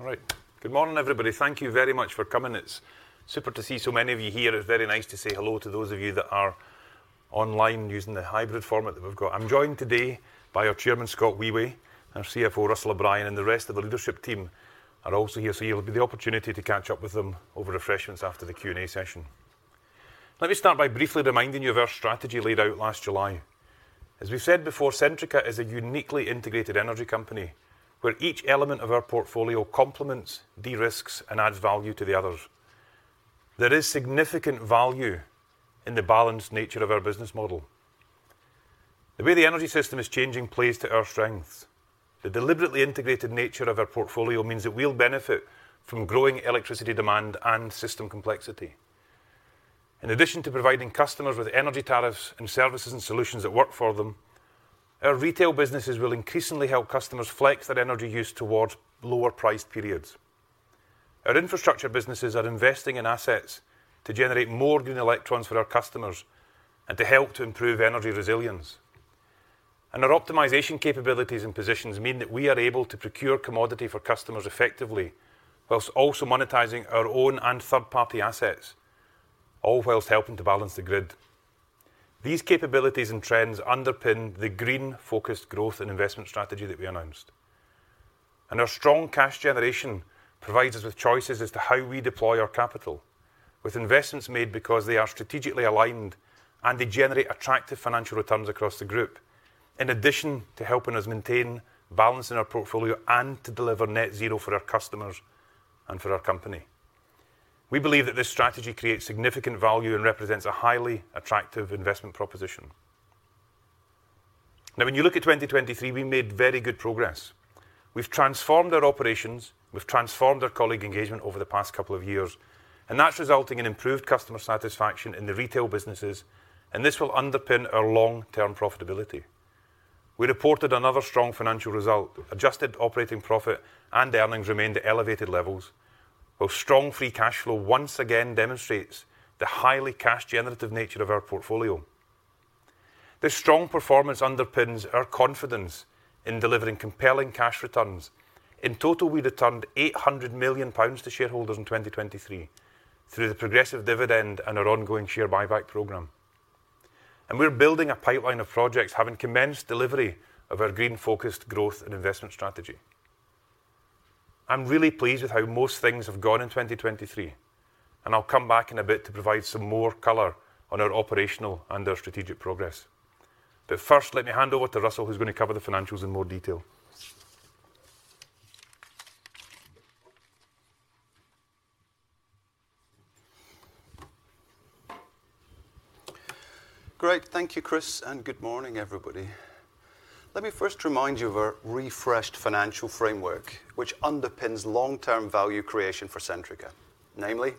All right. Good morning, everybody. Thank you very much for coming. It's super to see so many of you here. It's very nice to say hello to those of you that are online using the hybrid format that we've got. I'm joined today by our chairman, Scott Wheway, our CFO, Russell O’Brien, and the rest of the leadership team are also here, so you'll have the opportunity to catch up with them over refreshments after the Q&A session. Let me start by briefly reminding you of our strategy laid out last July. As we've said before, Centrica is a uniquely integrated energy company, where each element of our portfolio complements, de-risks, and adds value to the others. There is significant value in the balanced nature of our business model. The way the energy system is changing plays to our strengths. The deliberately integrated nature of our portfolio means that we'll benefit from growing electricity demand and system complexity. In addition to providing customers with energy tariffs and services and solutions that work for them, our retail businesses will increasingly help customers flex their energy use towards lower-priced periods. Our infrastructure businesses are investing in assets to generate more green electrons for our customers and to help to improve energy resilience. Our optimization capabilities and positions mean that we are able to procure commodity for customers effectively, while also monetizing our own and third-party assets, all while helping to balance the grid. These capabilities and trends underpin the green-focused growth and investment strategy that we announced. Our strong cash generation provides us with choices as to how we deploy our capital, with investments made because they are strategically aligned and they generate attractive financial returns across the group, in addition to helping us maintain balance in our portfolio and to deliver net zero for our customers and for our company. We believe that this strategy creates significant value and represents a highly attractive investment proposition. Now, when you look at 2023, we made very good progress. We've transformed our operations, we've transformed our colleague engagement over the past couple of years, and that's resulting in improved customer satisfaction in the retail businesses, and this will underpin our long-term profitability. We reported another strong financial result. Adjusted operating profit and earnings remained at elevated levels, while strong free cash flow once again demonstrates the highly cash-generative nature of our portfolio. This strong performance underpins our confidence in delivering compelling cash returns. In total, we returned 800 million pounds to shareholders in 2023, through the progressive dividend and our ongoing share buyback program. We're building a pipeline of projects, having commenced delivery of our green-focused growth and investment strategy. I'm really pleased with how most things have gone in 2023, and I'll come back in a bit to provide some more color on our operational and our strategic progress. But first, let me hand over to Russell, who's going to cover the financials in more detail. Great. Thank you, Chris, and good morning, everybody. Let me first remind you of our refreshed financial framework, which underpins long-term value creation for Centrica, namely,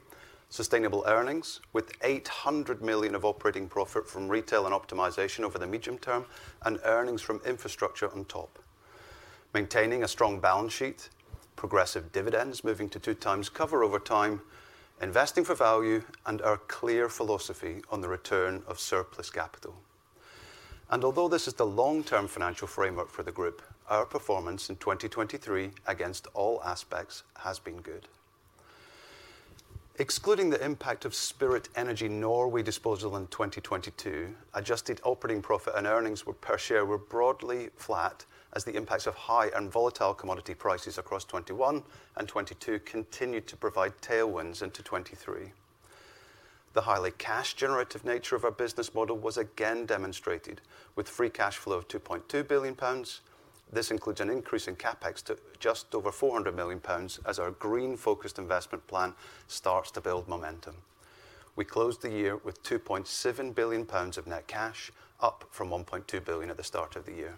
sustainable earnings, with 800 million of operating profit from retail and optimization over the medium term, and earnings from infrastructure on top. Maintaining a strong balance sheet, progressive dividends moving to 2x cover over time, investing for value, and our clear philosophy on the return of surplus capital. And although this is the long-term financial framework for the group, our performance in 2023 against all aspects has been good. Excluding the impact of Spirit Energy Norway disposal in 2022, adjusted operating profit and earnings per share were broadly flat as the impacts of high and volatile commodity prices across 2021 and 2022 continued to provide tailwinds into 2023. The highly cash-generative nature of our business model was again demonstrated, with free cash flow of 2.2 billion pounds. This includes an increase in CapEx to just over 400 million pounds, as our green-focused investment plan starts to build momentum. We closed the year with 2.7 billion pounds of net cash, up from 1.2 billion at the start of the year.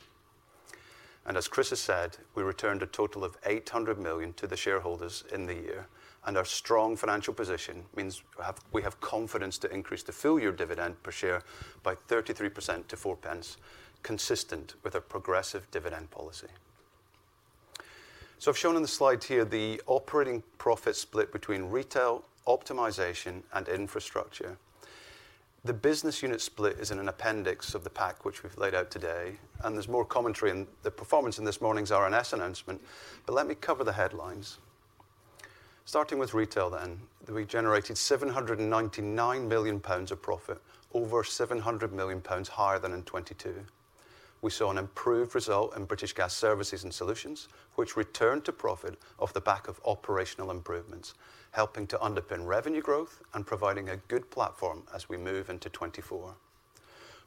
And as Chris has said, we returned a total of 800 million to the shareholders in the year, and our strong financial position means we have, we have confidence to increase the full-year dividend per share by 33% to 4 pence, consistent with our progressive dividend policy. So I've shown on the slide here the operating profit split between retail, optimization, and infrastructure. The business unit split is in an appendix of the pack, which we've laid out today, and there's more commentary on the performance in this morning's RNS announcement, but let me cover the headlines. Starting with retail then, we generated 799 million pounds of profit, over 700 million pounds higher than in 2022. We saw an improved result in British Gas Services and Solutions, which returned to profit off the back of operational improvements, helping to underpin revenue growth and providing a good platform as we move into 2024.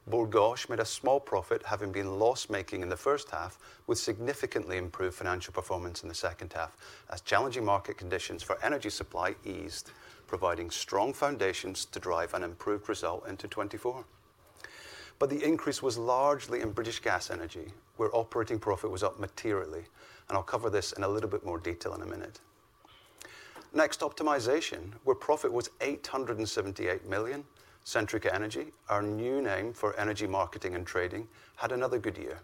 Bord Gáis made a small profit, having been loss-making in the first half, with significantly improved financial performance in the second half, as challenging market conditions for energy supply eased, providing strong foundations to drive an improved result into 2024. But the increase was largely in British Gas Energy, where operating profit was up materially, and I'll cover this in a little bit more detail in a minute. Next, optimization, where profit was 878 million. Centrica Energy, our new name for energy marketing and trading, had another good year,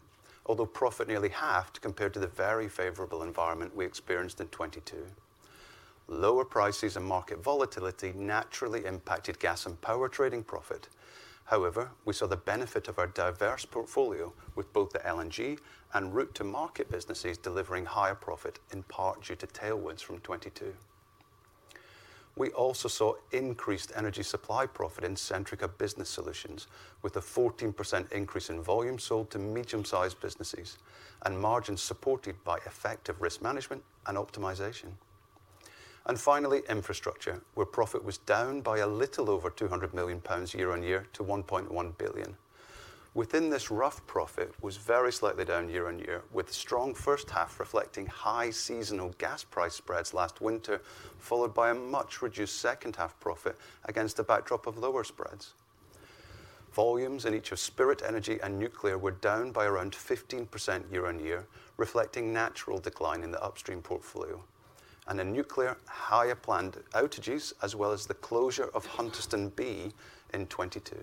although profit nearly halved compared to the very favorable environment we experienced in 2022.... Lower prices and market volatility naturally impacted gas and power trading profit. However, we saw the benefit of our diverse portfolio, with both the LNG and route to market businesses delivering higher profit, in part due to tailwinds from 2022. We also saw increased energy supply profit in Centrica Business Solutions, with a 14% increase in volume sold to medium-sized businesses and margins supported by effective risk management and optimization. Finally, infrastructure, where profit was down by a little over 200 million pounds year-on-year to 1.1 billion. Within this, Rough profit was very slightly down year-on-year, with strong first half reflecting high seasonal gas price spreads last winter, followed by a much reduced second half profit against a backdrop of lower spreads. Volumes in each of Spirit Energy and Nuclear were down by around 15% year-on-year, reflecting natural decline in the upstream portfolio, and in Nuclear, higher planned outages, as well as the closure of Hunterston B in 2022.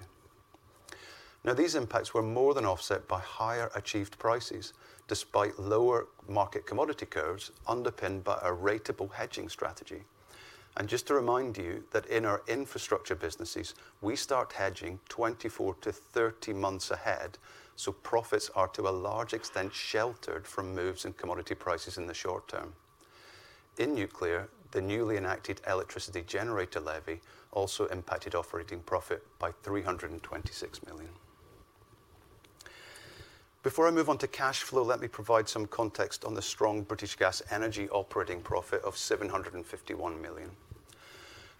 Now, these impacts were more than offset by higher achieved prices, despite lower market commodity curves, underpinned by a ratable hedging strategy. Just to remind you that in our infrastructure businesses, we start hedging 24-30 months ahead, so profits are, to a large extent, sheltered from moves in commodity prices in the short term. In Nuclear, the newly enacted Electricity Generator Levy also impacted operating profit by 326 million. Before I move on to cash flow, let me provide some context on the strong British Gas Energy operating profit of 751 million.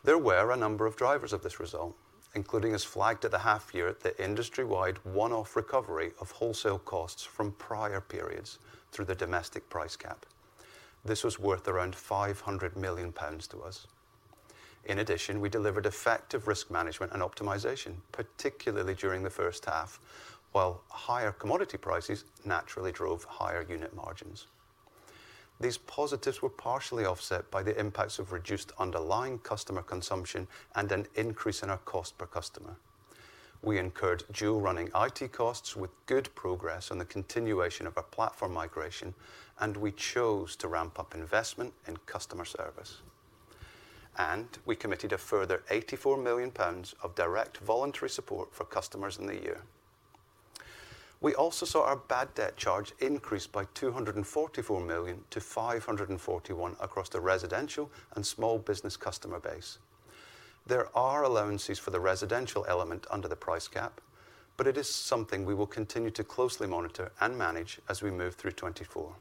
There were a number of drivers of this result, including, as flagged at the half year, the industry-wide one-off recovery of wholesale costs from prior periods through the domestic price cap. This was worth around 500 million pounds to us. In addition, we delivered effective risk management and optimization, particularly during the first half, while higher commodity prices naturally drove higher unit margins. These positives were partially offset by the impacts of reduced underlying customer consumption and an increase in our cost per customer. We incurred dual running IT costs with good progress on the continuation of our platform migration, and we chose to ramp up investment in customer service. We committed a further 84 million pounds of direct voluntary support for customers in the year. We also saw our bad debt charge increase by 244 million to 541 million across the residential and small business customer base. There are allowances for the residential element under the price cap, but it is something we will continue to closely monitor and manage as we move through 2024.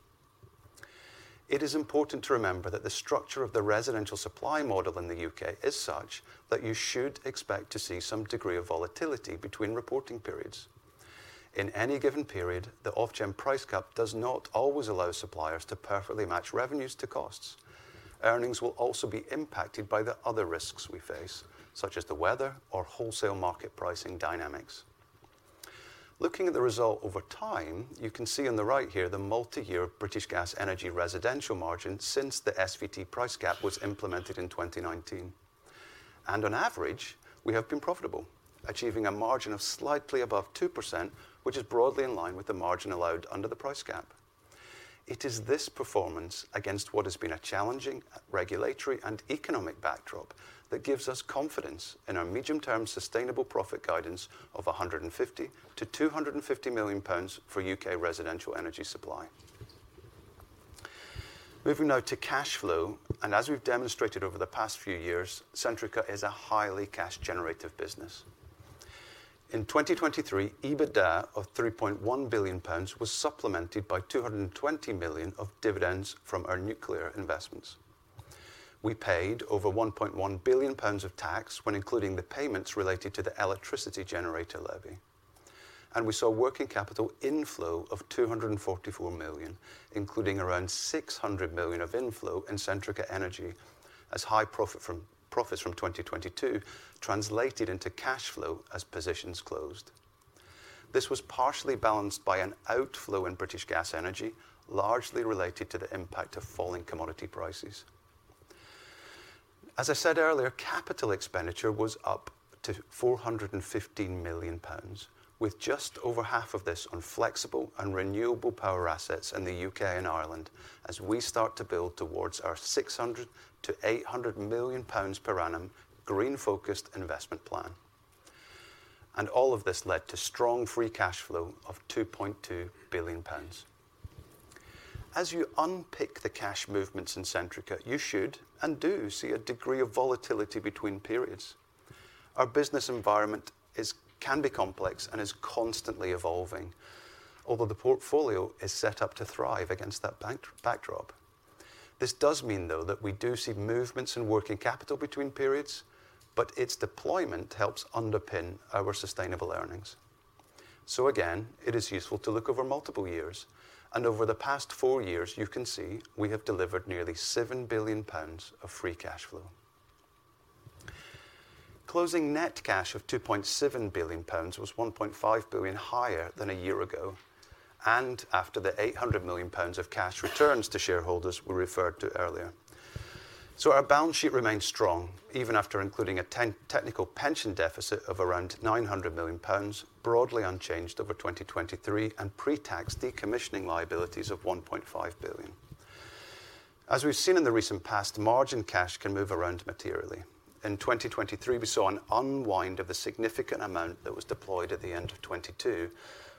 It is important to remember that the structure of the residential supply model in the U.K. is such that you should expect to see some degree of volatility between reporting periods. In any given period, the Ofgem price cap does not always allow suppliers to perfectly match revenues to costs. Earnings will also be impacted by the other risks we face, such as the weather or wholesale market pricing dynamics. Looking at the result over time, you can see on the right here the multi-year British Gas energy residential margin since the SVT price cap was implemented in 2019. On average, we have been profitable, achieving a margin of slightly above 2%, which is broadly in line with the margin allowed under the price cap. It is this performance against what has been a challenging regulatory and economic backdrop that gives us confidence in our medium-term sustainable profit guidance of 150 million-250 million pounds for U.K. residential energy supply. Moving now to cash flow, and as we've demonstrated over the past few years, Centrica is a highly cash generative business. In 2023, EBITDA of 3.1 billion pounds was supplemented by 220 million of dividends from our nuclear investments. We paid over 1.1 billion pounds of tax when including the payments related to the Electricity Generator Levy, and we saw working capital inflow of 244 million, including around 600 million of inflow in Centrica Energy, as high profits from 2022 translated into cash flow as positions closed. This was partially balanced by an outflow in British Gas Energy, largely related to the impact of falling commodity prices. As I said earlier, capital expenditure was up to 415 million pounds, with just over half of this on flexible and renewable power assets in the U.K. and Ireland as we start to build towards our 600 million-800 million pounds per annum green-focused investment plan. All of this led to strong free cash flow of 2.2 billion pounds. As you unpick the cash movements in Centrica, you should and do see a degree of volatility between periods. Our business environment can be complex and is constantly evolving, although the portfolio is set up to thrive against that backdrop. This does mean, though, that we do see movements in working capital between periods, but its deployment helps underpin our sustainable earnings. So again, it is useful to look over multiple years, and over the past four years, you can see we have delivered nearly 7 billion pounds of free cash flow. Closing net cash of 2.7 billion pounds was 1.5 billion higher than a year ago, and after the 800 million pounds of cash returns to shareholders were referred to earlier. So our balance sheet remains strong, even after including a technical pension deficit of around 900 million pounds, broadly unchanged over 2023, and pre-tax decommissioning liabilities of 1.5 billion. As we've seen in the recent past, margin cash can move around materially. In 2023, we saw an unwind of the significant amount that was deployed at the end of 2022,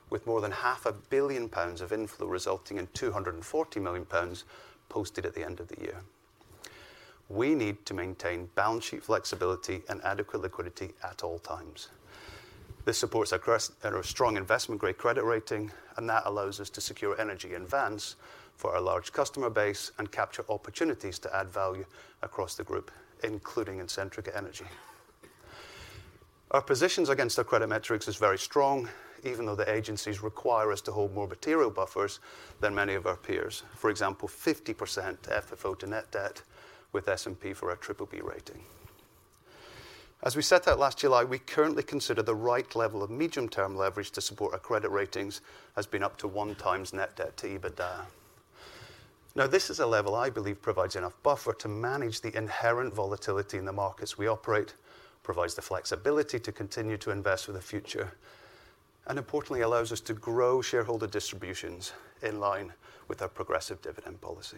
with more than 500 million pounds of inflow, resulting in 240 million pounds posted at the end of the year. We need to maintain balance sheet flexibility and adequate liquidity at all times. This supports our strategy and our strong investment-grade credit rating, and that allows us to secure energy in advance for our large customer base and capture opportunities to add value across the group, including in Centrica Energy. Our positions against our credit metrics is very strong, even though the agencies require us to hold more material buffers than many of our peers. For example, 50% FFO to net debt with S&P for our BBB rating. As we set out last July, we currently consider the right level of medium-term leverage to support our credit ratings has been up to one times net debt to EBITDA. Now, this is a level I believe provides enough buffer to manage the inherent volatility in the markets we operate, provides the flexibility to continue to invest for the future, and importantly, allows us to grow shareholder distributions in line with our progressive dividend policy.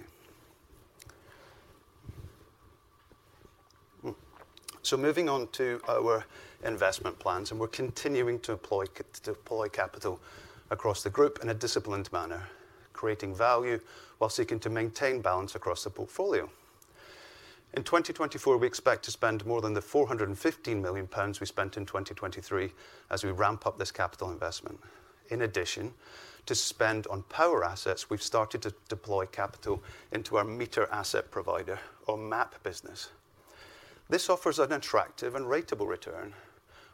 So moving on to our investment plans, and we're continuing to employ to deploy capital across the group in a disciplined manner, creating value while seeking to maintain balance across the portfolio. In 2024, we expect to spend more than 415 million pounds we spent in 2023 as we ramp up this capital investment. In addition, to spend on power assets, we've started to deploy capital into our meter asset provider or MAP business. This offers an attractive and ratable return,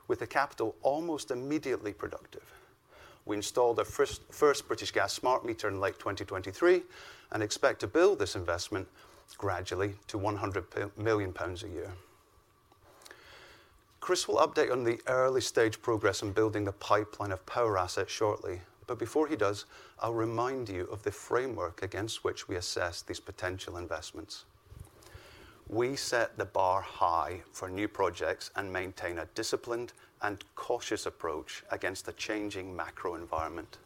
with the capital almost immediately productive. We installed our first British Gas smart meter in late 2023 and expect to build this investment gradually to 100 million pounds a year. Chris will update on the early-stage progress in building the pipeline of power assets shortly, but before he does, I'll remind you of the framework against which we assess these potential investments. We set the bar high for new projects and maintain a disciplined and cautious approach against the changing macro environment.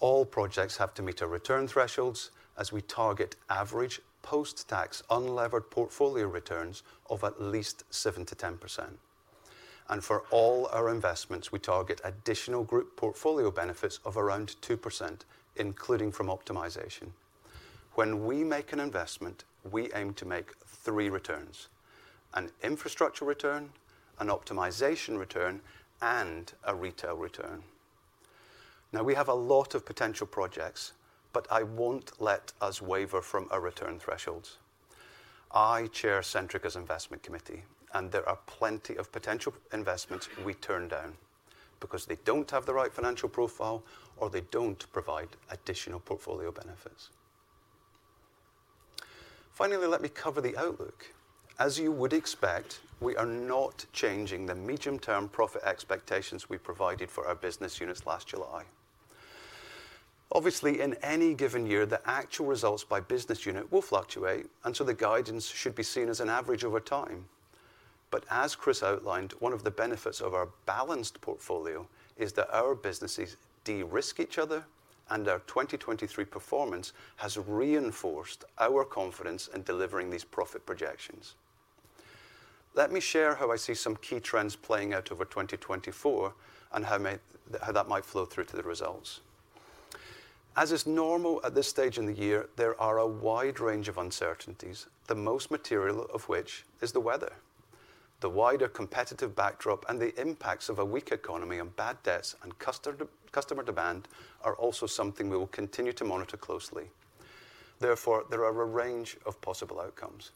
All projects have to meet our return thresholds, as we target average post-tax, unlevered portfolio returns of at least 7%-10%. For all our investments, we target additional group portfolio benefits of around 2%, including from optimization. When we make an investment, we aim to make three returns: an infrastructure return, an optimization return, and a retail return. Now, we have a lot of potential projects, but I won't let us waver from our return thresholds. I chair Centrica's investment committee, and there are plenty of potential investments we turn down, because they don't have the right financial profile, or they don't provide additional portfolio benefits. Finally, let me cover the outlook. As you would expect, we are not changing the medium-term profit expectations we provided for our business units last July. Obviously, in any given year, the actual results by business unit will fluctuate, and so the guidance should be seen as an average over time. But as Chris outlined, one of the benefits of our balanced portfolio is that our businesses de-risk each other, and our 2023 performance has reinforced our confidence in delivering these profit projections. Let me share how I see some key trends playing out over 2024, and how that might flow through to the results. As is normal at this stage in the year, there are a wide range of uncertainties, the most material of which is the weather. The wider competitive backdrop and the impacts of a weak economy and bad debts and customer demand are also something we will continue to monitor closely. Therefore, there are a range of possible outcomes.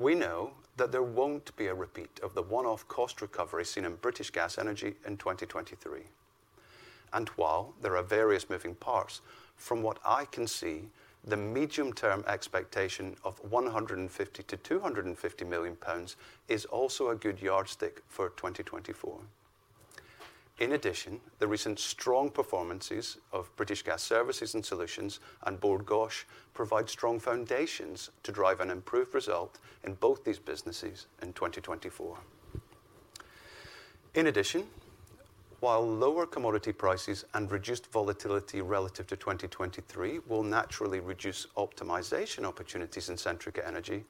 We know that there won't be a repeat of the one-off cost recovery seen in British Gas Energy in 2023. While there are various moving parts, from what I can see, the medium-term expectation of 150-250 million pounds is also a good yardstick for 2024. In addition, the recent strong performances of British Gas Services and Solutions and Bord Gáis provide strong foundations to drive an improved result in both these businesses in 2024. In addition, while lower commodity prices and reduced volatility relative to 2023 will naturally reduce optimization opportunities in Centrica Energy,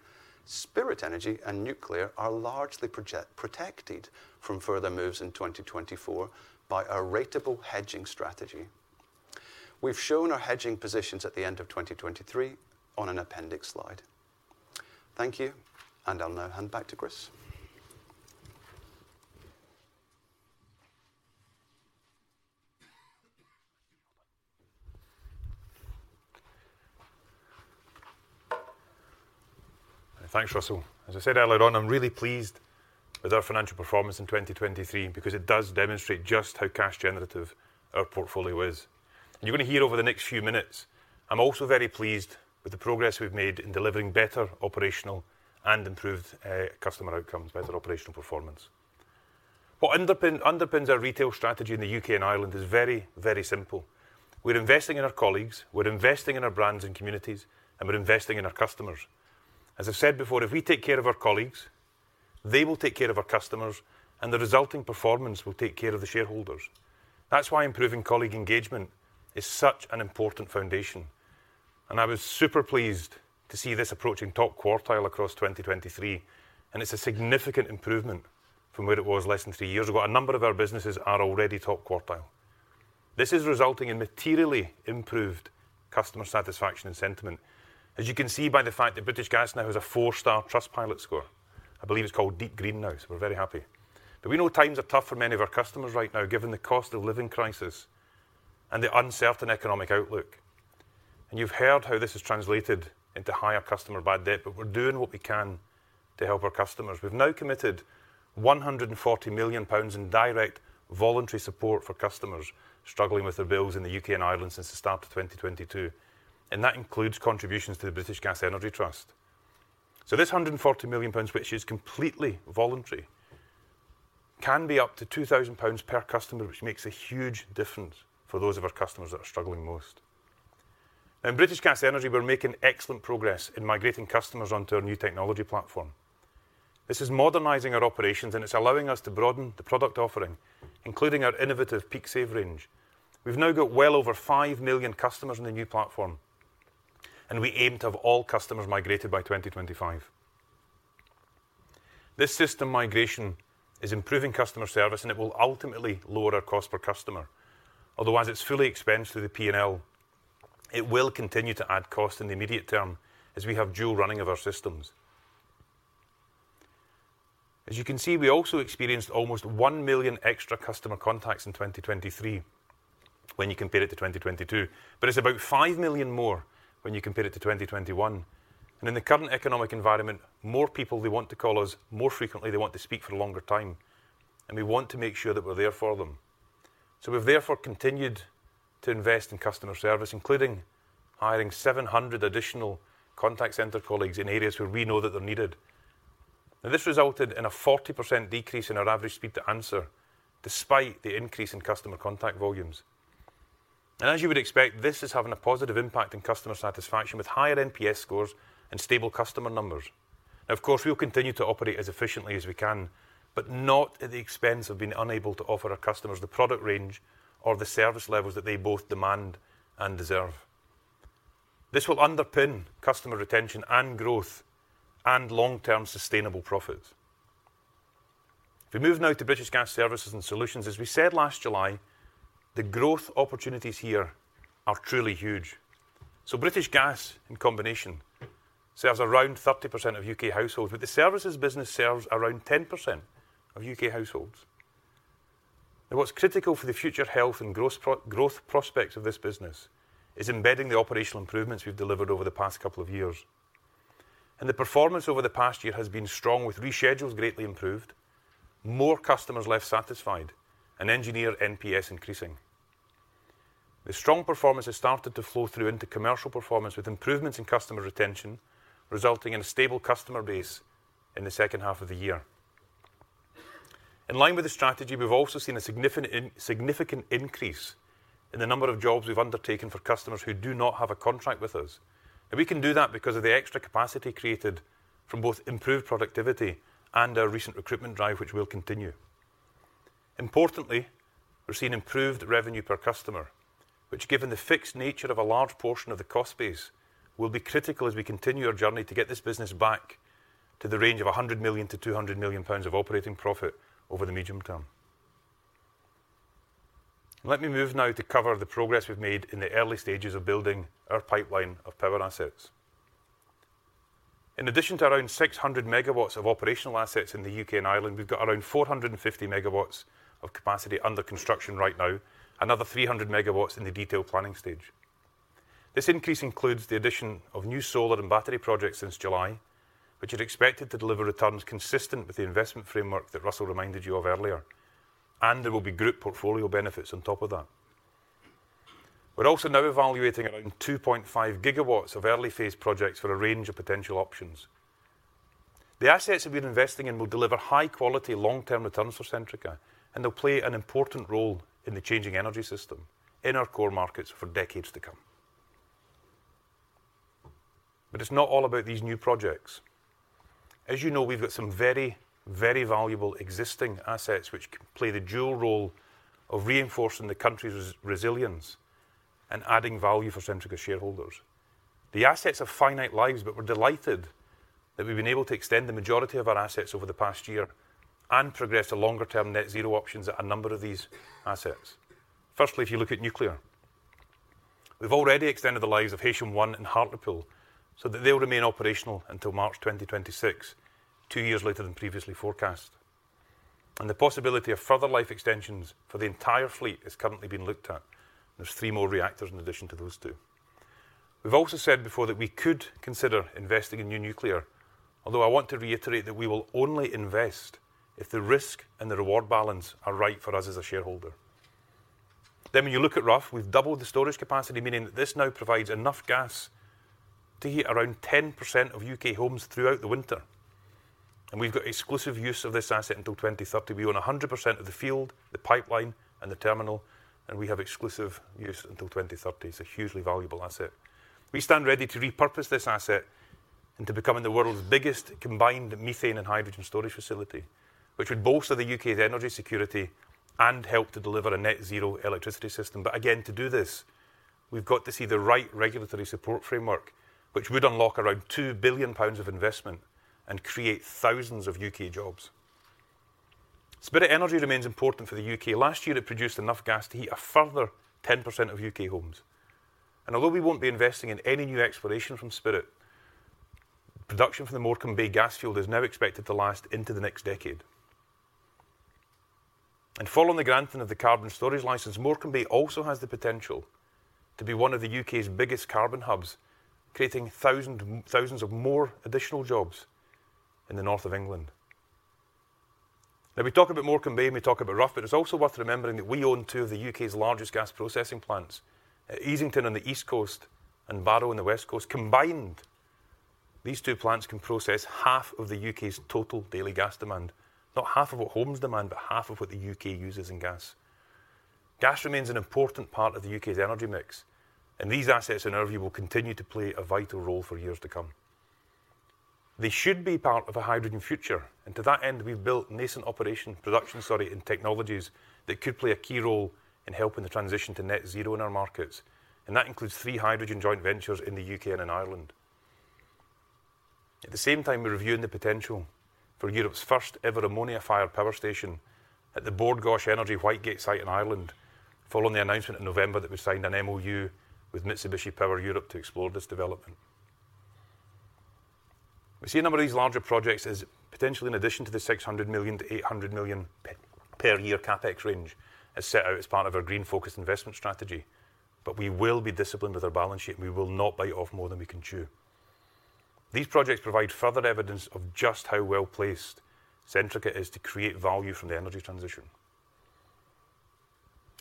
Spirit Energy and Nuclear are largely project-protected from further moves in 2024 by our ratable hedging strategy. We've shown our hedging positions at the end of 2023 on an appendix slide. Thank you, and I'll now hand back to Chris. Thanks, Russell. As I said earlier on, I'm really pleased with our financial performance in 2023, because it does demonstrate just how cash generative our portfolio is. And you're going to hear over the next few minutes, I'm also very pleased with the progress we've made in delivering better operational and improved customer outcomes, better operational performance. What underpins our retail strategy in the U.K. and Ireland is very, very simple. We're investing in our colleagues, we're investing in our brands and communities, and we're investing in our customers. As I've said before, if we take care of our colleagues, they will take care of our customers, and the resulting performance will take care of the shareholders. That's why improving colleague engagement is such an important foundation, and I was super pleased to see this approaching top quartile across 2023. It's a significant improvement from where it was less than three years ago. A number of our businesses are already top quartile. This is resulting in materially improved customer satisfaction and sentiment, as you can see by the fact that British Gas now has a four-star Trustpilot score. I believe it's called Deep Green now, so we're very happy. But we know times are tough for many of our customers right now, given the cost of living crisis and the uncertain economic outlook, and you've heard how this has translated into higher customer bad debt, but we're doing what we can to help our customers. We've now committed 140 million pounds in direct voluntary support for customers struggling with their bills in the U.K. and Ireland since the start of 2022, and that includes contributions to the British Gas Energy Trust. So this 140 million pounds, which is completely voluntary, can be up to 2,000 pounds per customer, which makes a huge difference for those of our customers that are struggling most. In British Gas Energy, we're making excellent progress in migrating customers onto our new technology platform. This is modernizing our operations, and it's allowing us to broaden the product offering, including our innovative PeakSave range. We've now got well over 5 million customers on the new platform, and we aim to have all customers migrated by 2025. This system migration is improving customer service, and it will ultimately lower our cost per customer, although as it's fully expensed through the P&L, it will continue to add cost in the immediate term as we have dual running of our systems. As you can see, we also experienced almost 1 million extra customer contacts in 2023 when you compare it to 2022, but it's about 5 million more when you compare it to 2021. In the current economic environment, more people, they want to call us more frequently, they want to speak for a longer time, and we want to make sure that we're there for them. We've therefore continued to invest in customer service, including hiring 700 additional contact center colleagues in areas where we know that they're needed. Now, this resulted in a 40% decrease in our average speed to answer, despite the increase in customer contact volumes. As you would expect, this is having a positive impact on customer satisfaction, with higher NPS scores and stable customer numbers. Of course, we'll continue to operate as efficiently as we can, but not at the expense of being unable to offer our customers the product range or the service levels that they both demand and deserve. This will underpin customer retention and growth and long-term sustainable profit. If we move now to British Gas Services & Solutions, as we said last July, the growth opportunities here are truly huge. So British Gas, in combination, serves around 30% of U.K. households, with the services business serves around 10% of U.K. households. Now, what's critical for the future health and growth prospects of this business is embedding the operational improvements we've delivered over the past couple of years. And the performance over the past year has been strong, with reschedules greatly improved, more customers left satisfied, and engineer NPS increasing. The strong performance has started to flow through into commercial performance, with improvements in customer retention resulting in a stable customer base in the second half of the year. In line with the strategy, we've also seen a significant, significant increase in the number of jobs we've undertaken for customers who do not have a contract with us. We can do that because of the extra capacity created from both improved productivity and our recent recruitment drive, which will continue. Importantly, we're seeing improved revenue per customer, which, given the fixed nature of a large portion of the cost base, will be critical as we continue our journey to get this business back to the range of 100 million-200 million pounds of operating profit over the medium term. Let me move now to cover the progress we've made in the early stages of building our pipeline of power assets. In addition to around 600 MW of operational assets in the U.K. and Ireland, we've got around 450 MW of capacity under construction right now, another 300 MW in the detailed planning stage. This increase includes the addition of new solar and battery projects since July, which is expected to deliver returns consistent with the investment framework that Russell reminded you of earlier, and there will be group portfolio benefits on top of that. We're also now evaluating around 2.5 gigawatts of early-phase projects for a range of potential options. The assets that we're investing in will deliver high-quality, long-term returns for Centrica, and they'll play an important role in the changing energy system in our core markets for decades to come. But it's not all about these new projects. As you know, we've got some very, very valuable existing assets, which can play the dual role of reinforcing the country's resilience and adding value for Centrica shareholders. The assets have finite lives, but we're delighted that we've been able to extend the majority of our assets over the past year and progress to longer-term net zero options at a number of these assets. Firstly, if you look at nuclear, we've already extended the lives of Heysham 1 and Hartlepool so that they will remain operational until March 2026, 2 years later than previously forecast, and the possibility of further life extensions for the entire fleet is currently being looked at. There's 3 more reactors in addition to those 2. We've also said before that we could consider investing in new nuclear, although I want to reiterate that we will only invest if the risk and the reward balance are right for us as a shareholder. Then, when you look at Rough, we've doubled the storage capacity, meaning that this now provides enough gas to heat around 10% of U.K. homes throughout the winter, and we've got exclusive use of this asset until 2030. We own 100% of the field, the pipeline, and the terminal, and we have exclusive use until 2030. It's a hugely valuable asset. We stand ready to repurpose this asset into becoming the world's biggest combined methane and hydrogen storage facility... which would bolster the U.K.'s energy security and help to deliver a net zero electricity system. But again, to do this, we've got to see the right regulatory support framework, which would unlock around 2 billion pounds of investment and create thousands of U.K. jobs. Spirit Energy remains important for the U.K. Last year, it produced enough gas to heat a further 10% of U.K. homes. And although we won't be investing in any new exploration from Spirit, production from the Morecambe Bay gas field is now expected to last into the next decade. And following the granting of the carbon storage license, Morecambe Bay also has the potential to be one of the U.K.'s biggest carbon hubs, creating thousands of more additional jobs in the north of England. Now, we talk about Morecambe Bay, and we talk about Rough, but it's also worth remembering that we own two of the U.K.'s largest gas processing plants, at Easington on the east coast and Barrow on the west coast. Combined, these two plants can process half of the U.K.'s total daily gas demand. Not half of what homes demand, but half of what the U.K. uses in gas. Gas remains an important part of the U.K.'s energy mix, and these assets in our view, will continue to play a vital role for years to come. They should be part of a hydrogen future, and to that end, we've built nascent operation, production, sorry, and technologies that could play a key role in helping the transition to net zero in our markets, and that includes three hydrogen joint ventures in the U.K. and in Ireland. At the same time, we're reviewing the potential for Europe's first-ever ammonia-fired power station at the Bord Gáis Energy Whitegate site in Ireland, following the announcement in November that we signed an MoU with Mitsubishi Power Europe to explore this development. We see a number of these larger projects as potentially in addition to the 600 million-800 million per year CapEx range, as set out as part of our green-focused investment strategy, but we will be disciplined with our balance sheet. We will not bite off more than we can chew. These projects provide further evidence of just how well-placed Centrica is to create value from the energy transition.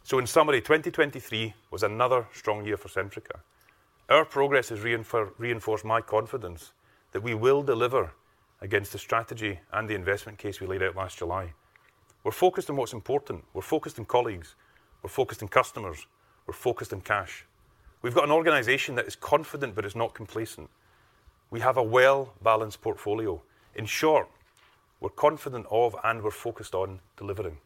So in summary, 2023 was another strong year for Centrica. Our progress has reinforced my confidence that we will deliver against the strategy and the investment case we laid out last July. We're focused on what's important. We're focused on colleagues, we're focused on customers, we're focused on cash. We've got an organization that is confident but is not complacent. We have a well-balanced portfolio. In short, we're confident of and we're focused on delivering.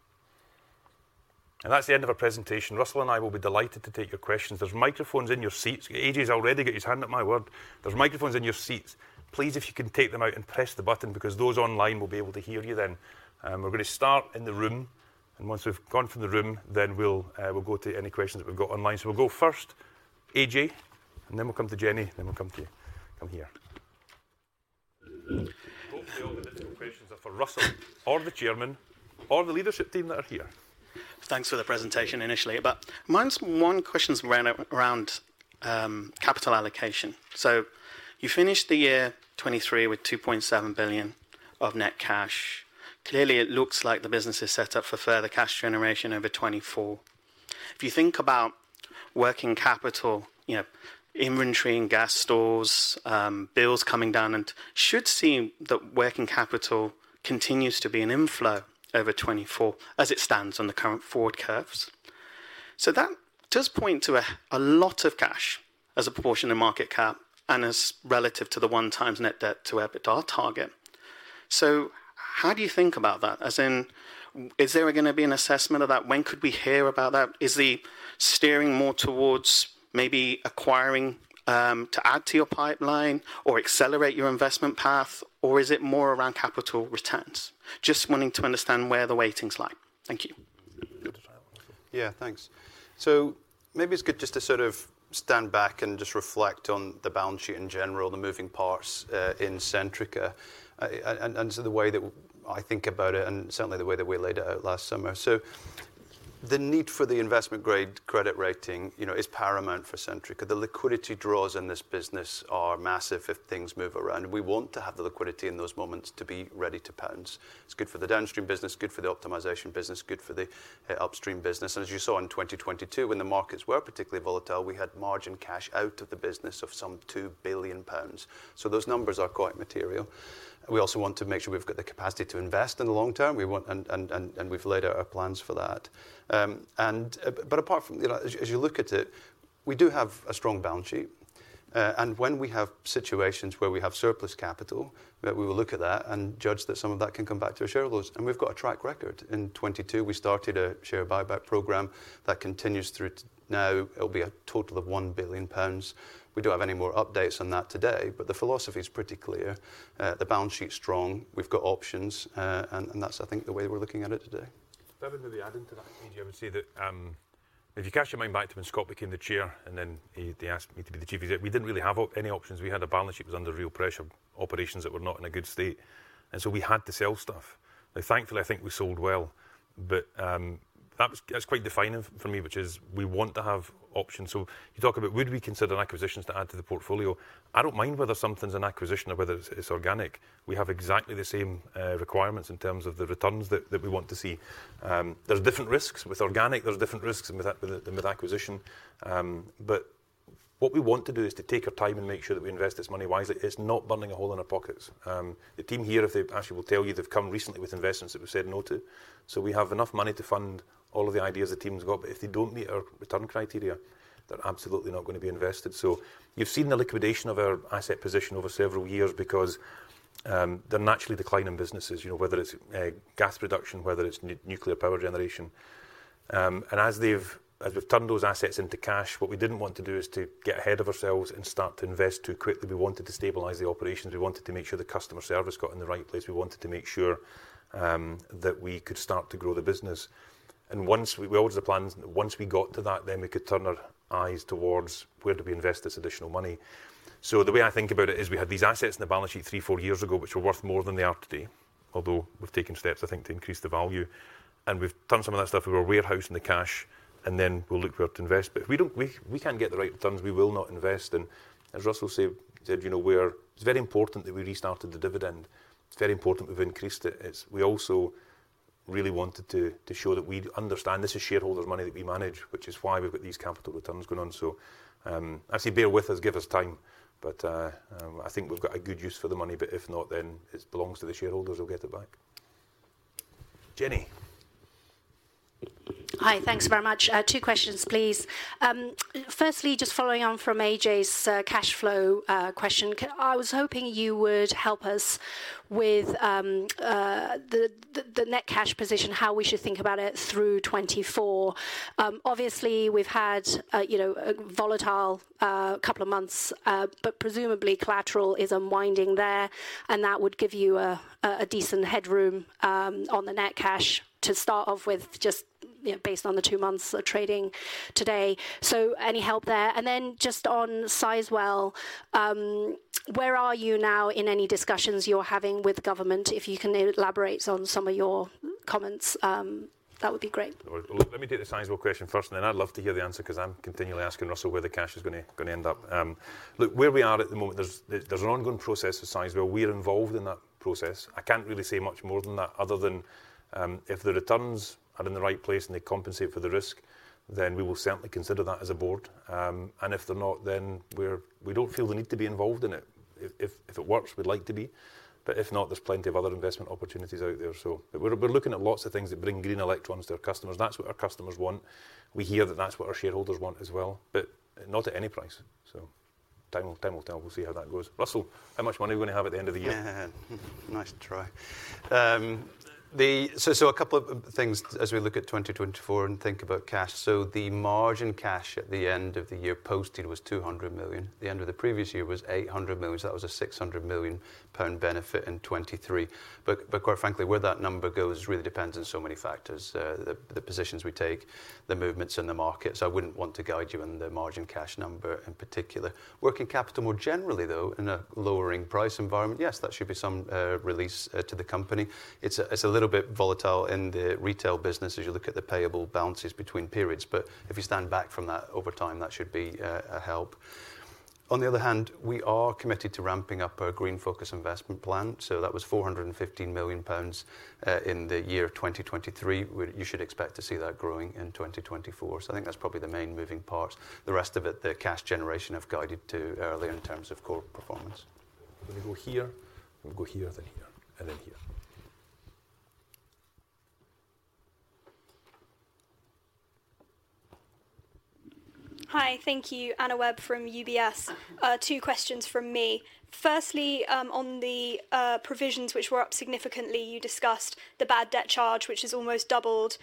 And that's the end of our presentation. Russell and I will be delighted to take your questions. There's microphones in your seats. AJ's already got his hand up, my word. There's microphones in your seats. Please, if you can take them out and press the button, because those online will be able to hear you then. We're going to start in the room, and once we've gone from the room, then we'll, we'll go to any questions that we've got online. So we'll go first, AJ, and then we'll come to Jenny, then we'll come to you. Come here. Hopefully, all the different questions are for Russell or the chairman or the leadership team that are here. Thanks for the presentation initially, but my one question is around capital allocation. So you finished the year 2023 with 2.7 billion of net cash. Clearly, it looks like the business is set up for further cash generation over 2024. If you think about working capital, you know, inventory and gas stores, bills coming down and should seem that working capital continues to be an inflow over 2024, as it stands on the current forward curves. So that does point to a lot of cash as a proportion of market cap and as relative to the 1x net debt to EBITDA target. So how do you think about that? As in, is there gonna be an assessment of that? When could we hear about that? Is the steering more towards maybe acquiring, to add to your pipeline or accelerate your investment path, or is it more around capital returns? Just wanting to understand where the weighting lies. Thank you. Yeah, thanks. So maybe it's good just to sort of stand back and just reflect on the balance sheet in general, the moving parts, in Centrica, and so the way that I think about it, and certainly the way that we laid it out last summer. So the need for the investment-grade credit rating, you know, is paramount for Centrica. The liquidity draws in this business are massive if things move around. We want to have the liquidity in those moments to be ready to pounce. It's good for the downstream business, good for the optimization business, good for the upstream business. And as you saw in 2022, when the markets were particularly volatile, we had margin cash out of the business of some 2 billion pounds. So those numbers are quite material. We also want to make sure we've got the capacity to invest in the long term. We want... And we've laid out our plans for that. But apart from, you know, as you, as you look at it, we do have a strong balance sheet, and when we have situations where we have surplus capital, we will look at that and judge that some of that can come back to our shareholders, and we've got a track record. In 2022, we started a share buyback program that continues through to now. It'll be a total of 1 billion pounds. We don't have any more updates on that today, but the philosophy is pretty clear. The balance sheet's strong, we've got options, and that's, I think, the way we're looking at it today. Maybe adding to that, AJ, I would say that, if you cast your mind back to when Scott became the chair, and then they asked me to be the GP, we didn't really have any options. We had a balance sheet that was under real pressure, operations that were not in a good state, and so we had to sell stuff. Now, thankfully, I think we sold well, but, that's quite defining for me, which is we want to have options. So you talk about would we consider acquisitions to add to the portfolio? I don't mind whether something's an acquisition or whether it's, it's organic. We have exactly the same requirements in terms of the returns that, that we want to see. There's different risks with organic, there's different risks with the, with acquisition. But what we want to do is to take our time and make sure that we invest this money wisely. It's not burning a hole in our pockets. The team here actually will tell you, they've come recently with investments that we've said no to. So we have enough money to fund all of the ideas the team's got, but if they don't meet our return criteria, they're absolutely not gonna be invested. So you've seen the liquidation of our asset position over several years because they're naturally declining businesses, you know, whether it's gas production, whether it's nuclear power generation. And as we've turned those assets into cash, what we didn't want to do is to get ahead of ourselves and start to invest too quickly. We wanted to stabilize the operations. We wanted to make sure the customer service got in the right place. We wanted to make sure that we could start to grow the business. And once we... It was the plan, once we got to that, then we could turn our eyes towards where do we invest this additional money. So the way I think about it is, we had these assets on the balance sheet three, four years ago, which were worth more than they are today, although we've taken steps, I think, to increase the value. And we've done some of that stuff. We were warehousing the cash, and then we'll look where to invest. But if we don't, we can't get the right returns, we will not invest. And as Russell said, you know, it's very important that we restarted the dividend. It's very important we've increased it. We also really wanted to show that we understand this is shareholders' money that we manage, which is why we've got these capital returns going on. So, I say bear with us, give us time, but I think we've got a good use for the money, but if not, then it belongs to the shareholders, they'll get it back. Jenny? Hi, thanks very much. Two questions, please. Firstly, just following on from AJ's cash flow question. I was hoping you would help us with the net cash position, how we should think about it through 2024? Obviously, we've had, you know, a volatile couple of months, but presumably collateral is unwinding there, and that would give you a decent headroom on the net cash to start off with, just, you know, based on the two months of trading today. So any help there? And then just on Sizewell, where are you now in any discussions you're having with government? If you can elaborate on some of your comments, that would be great. Well, let me take the Sizewell question first, and then I'd love to hear the answer 'cause I'm continually asking Russell where the cash is gonna end up. Look, where we are at the moment, there's an ongoing process at Sizewell. We're involved in that process. I can't really say much more than that, other than, if the returns are in the right place and they compensate for the risk, then we will certainly consider that as a board. And if they're not, then we don't feel the need to be involved in it. If it works, we'd like to be, but if not, there's plenty of other investment opportunities out there. So we're looking at lots of things that bring green electrons to our customers. That's what our customers want. We hear that that's what our shareholders want as well, but not at any price. So time will, time will tell. We'll see how that goes. Russell, how much money are we gonna have at the end of the year? Nice try. So a couple of things as we look at 2024 and think about cash. So the margin cash at the end of the year posted was 200 million. The end of the previous year was 800 million, so that was a 600 million pound benefit in 2023. But quite frankly, where that number goes really depends on so many factors, the positions we take, the movements in the market. So I wouldn't want to guide you on the margin cash number, in particular. Working capital, more generally, though, in a lowering price environment, yes, that should be some release to the company. It's a little bit volatile in the retail business as you look at the payable balances between periods, but if you stand back from that, over time, that should be a help. On the other hand, we are committed to ramping up our green focus investment plan. So that was 415 million pounds in the year 2023. Well, you should expect to see that growing in 2024. So I think that's probably the main moving parts. The rest of it, the cash generation, I've guided to earlier in terms of core performance. Let me go here, and go here, then here, and then here. Hi, thank you. Anna Webb from UBS. Two questions from me. Firstly, on the provisions which were up significantly, you discussed the bad debt charge, which has almost doubled.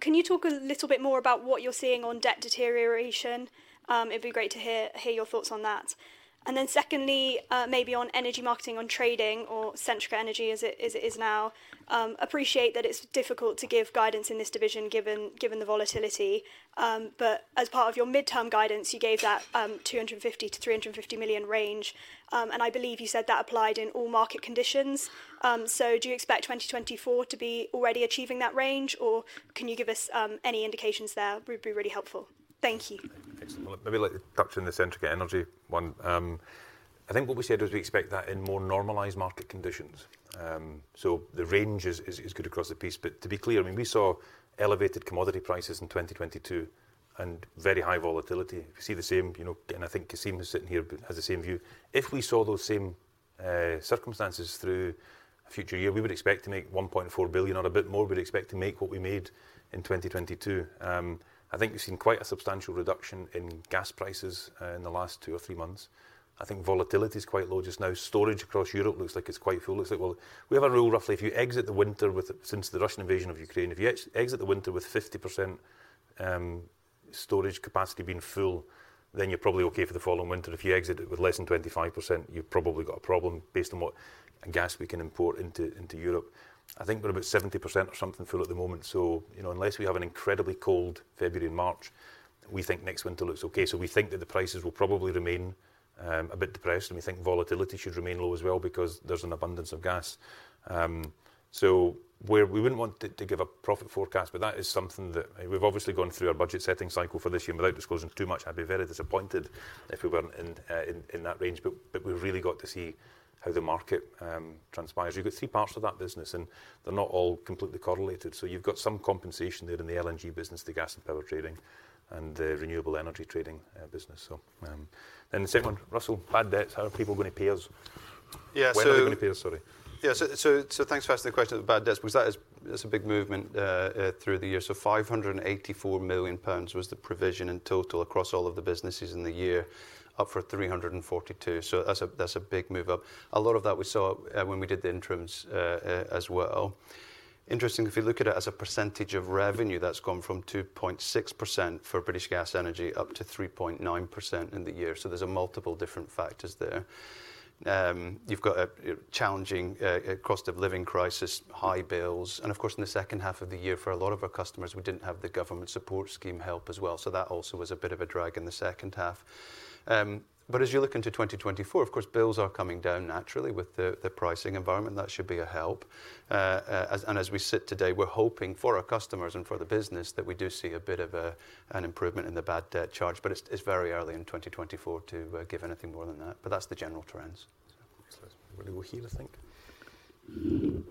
Can you talk a little bit more about what you're seeing on debt deterioration? It'd be great to hear your thoughts on that. And then secondly, maybe on energy marketing, on trading, or Centrica Energy, as it is now. Appreciate that it's difficult to give guidance in this division, given the volatility. But as part of your midterm guidance, you gave that 250-350 million range. And I believe you said that applied in all market conditions. So do you expect 2024 to be already achieving that range, or can you give us any indications there? Would be really helpful. Thank you. Thanks. Well, maybe I'll touch on the Centrica Energy one. I think what we said was we expect that in more normalized market conditions. So the range is good across the piece. But to be clear, I mean, we saw elevated commodity prices in 2022 and very high volatility. If you see the same, you know, and I think Cassim is sitting here, but has the same view. If we saw those same circumstances through a future year, we would expect to make 1.4 billion or a bit more. We'd expect to make what we made in 2022. I think we've seen quite a substantial reduction in gas prices in the last two or three months. I think volatility is quite low just now. Storage across Europe looks like it's quite full. Looks like, well, we have a rule, roughly, if you exit the winter with—since the Russian invasion of Ukraine, if you exit the winter with 50% storage capacity being full, then you're probably okay for the following winter. If you exit it with less than 25%, you've probably got a problem based on what gas we can import into Europe. I think we're about 70% or something full at the moment, so, you know, unless we have an incredibly cold February and March, we think next winter looks okay. So we think that the prices will probably remain a bit depressed, and we think volatility should remain low as well because there's an abundance of gas. So we wouldn't want to give a profit forecast, but that is something that... We've obviously gone through our budget setting cycle for this year. Without disclosing too much, I'd be very disappointed if we weren't in that range, but we've really got to see how the market transpires. You've got three parts to that business, and they're not all completely correlated. So you've got some compensation there in the LNG business, the gas and power trading, and the renewable energy trading business. So, and the second one, Russell, bad debts, how are people going to pay us? Yeah, so- When are they going to pay us? Sorry. Yeah, so thanks for asking the question about debts, because that is, it's a big movement through the year. So 584 million pounds was the provision in total across all of the businesses in the year, up from 342 million. So that's a big move up. A lot of that we saw when we did the interims as well. Interestingly, if you look at it as a percentage of revenue, that's gone from 2.6% for British Gas Energy up to 3.9% in the year. So there's multiple different factors there. You've got a challenging cost of living crisis, high bills, and of course, in the second half of the year, for a lot of our customers, we didn't have the government support scheme help as well, so that also was a bit of a drag in the second half. But as you look into 2024, of course, bills are coming down naturally with the pricing environment. That should be a help. As we sit today, we're hoping for our customers and for the business, that we do see a bit of an improvement in the bad debt charge, but it's very early in 2024 to give anything more than that. But that's the general trends. So we'll go here, I think.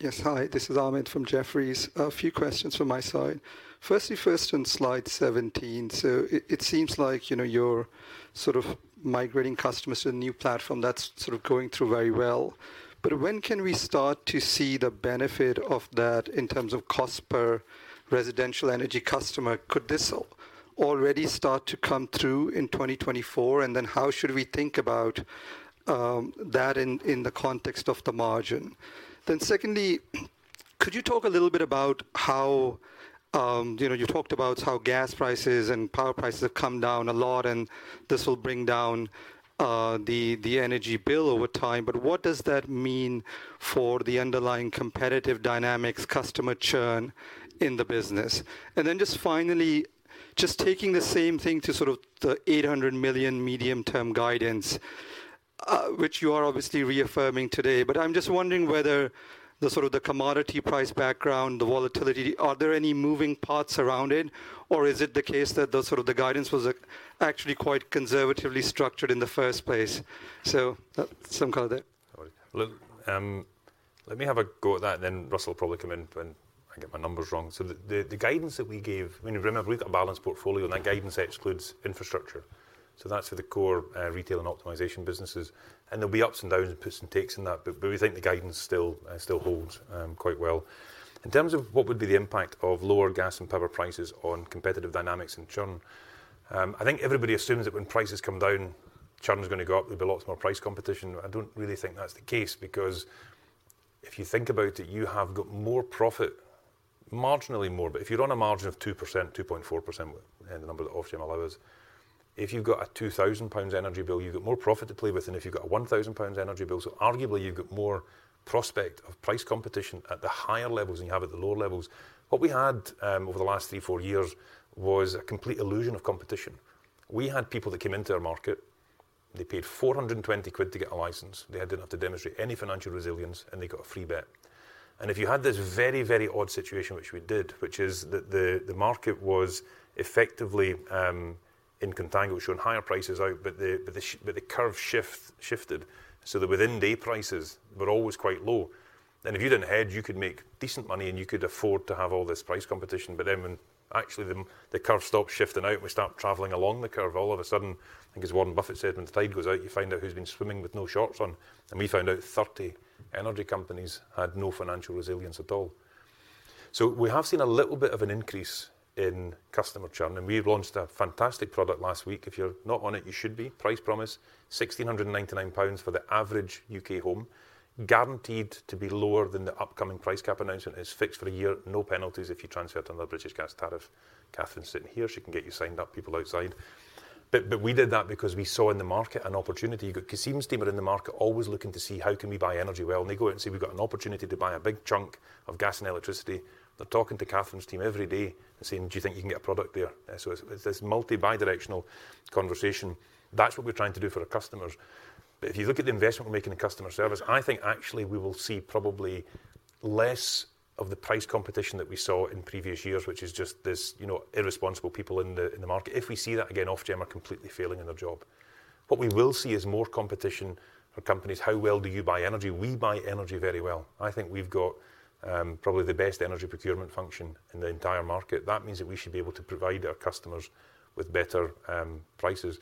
Yes, hi, this is Ahmed from Jefferies. A few questions from my side. Firstly, first on slide 17. So it, it seems like, you know, you're sort of migrating customers to a new platform that's sort of going through very well. But when can we start to see the benefit of that in terms of cost per residential energy customer? Could this already start to come through in 2024? And then how should we think about, that in, in the context of the margin? Then secondly, could you talk a little bit about how... You know, you talked about how gas prices and power prices have come down a lot, and this will bring down the energy bill over time, but what does that mean for the underlying competitive dynamics, customer churn in the business? And then just finally, just taking the same thing to sort of the 800 million medium-term guidance, which you are obviously reaffirming today, but I'm just wondering whether the sort of the commodity price background, the volatility, are there any moving parts around it, or is it the case that the sort of the guidance was actually quite conservatively structured in the first place? So some kind of that. Sorry. Look, let me have a go at that, and then Russell will probably come in when I get my numbers wrong. So the guidance that we gave, I mean, remember, we've got a balanced portfolio, and that guidance excludes infrastructure. So that's for the core retail and optimization businesses, and there'll be ups and downs and puts and takes in that, but we think the guidance still still holds quite well. In terms of what would be the impact of lower gas and power prices on competitive dynamics and churn, I think everybody assumes that when prices come down, churn is going to go up. There'll be lots more price competition. I don't really think that's the case, because if you think about it, you have got more profit, marginally more, but if you're on a margin of 2%, 2.4%, and the number that Ofgem allows, if you've got a 2,000 pounds energy bill, you've got more profit to play with than if you've got a 1,000 pounds energy bill. So arguably, you've got more prospect of price competition at the higher levels than you have at the lower levels. What we had over the last 3-4 years was a complete illusion of competition. We had people that came into our market, they paid 420 quid to get a license. They hadn't have to demonstrate any financial resilience, and they got a free bet. If you had this very, very odd situation, which we did, which is that the market was effectively in contango, showing higher prices out, but the curve shifted, so the within-day prices were always quite low. And if you didn't hedge, you could make decent money, and you could afford to have all this price competition. But then when actually the curve stops shifting out and we start traveling along the curve, all of a sudden, I think as Warren Buffett said, "When the tide goes out, you find out who's been swimming with no shorts on." And we found out 30 energy companies had no financial resilience at all. So we have seen a little bit of an increase in customer churn, and we've launched a fantastic product last week. If you're not on it, you should be. Price Promise, 1,699 pounds for the average U.K. home, guaranteed to be lower than the upcoming price cap announcement. It's fixed for a year, no penalties if you transfer to another British Gas tariff. Catherine's sitting here. She can get you signed up, people outside. But, but we did that because we saw in the market an opportunity. You got Kasim's team are in the market, always looking to see how can we buy energy well, and they go out and say, "We've got an opportunity to buy a big chunk of gas and electricity." They're talking to Catherine's team every day and saying: "Do you think you can get a product there?" So it's, it's this multi-bidirectional conversation. That's what we're trying to do for our customers. But if you look at the investment we're making in customer service, I think actually we will see probably less of the price competition that we saw in previous years, which is just this, you know, irresponsible people in the market. If we see that again, Ofgem are completely failing in their job. What we will see is more competition for companies. How well do you buy energy? We buy energy very well. I think we've got probably the best energy procurement function in the entire market. That means that we should be able to provide our customers with better prices.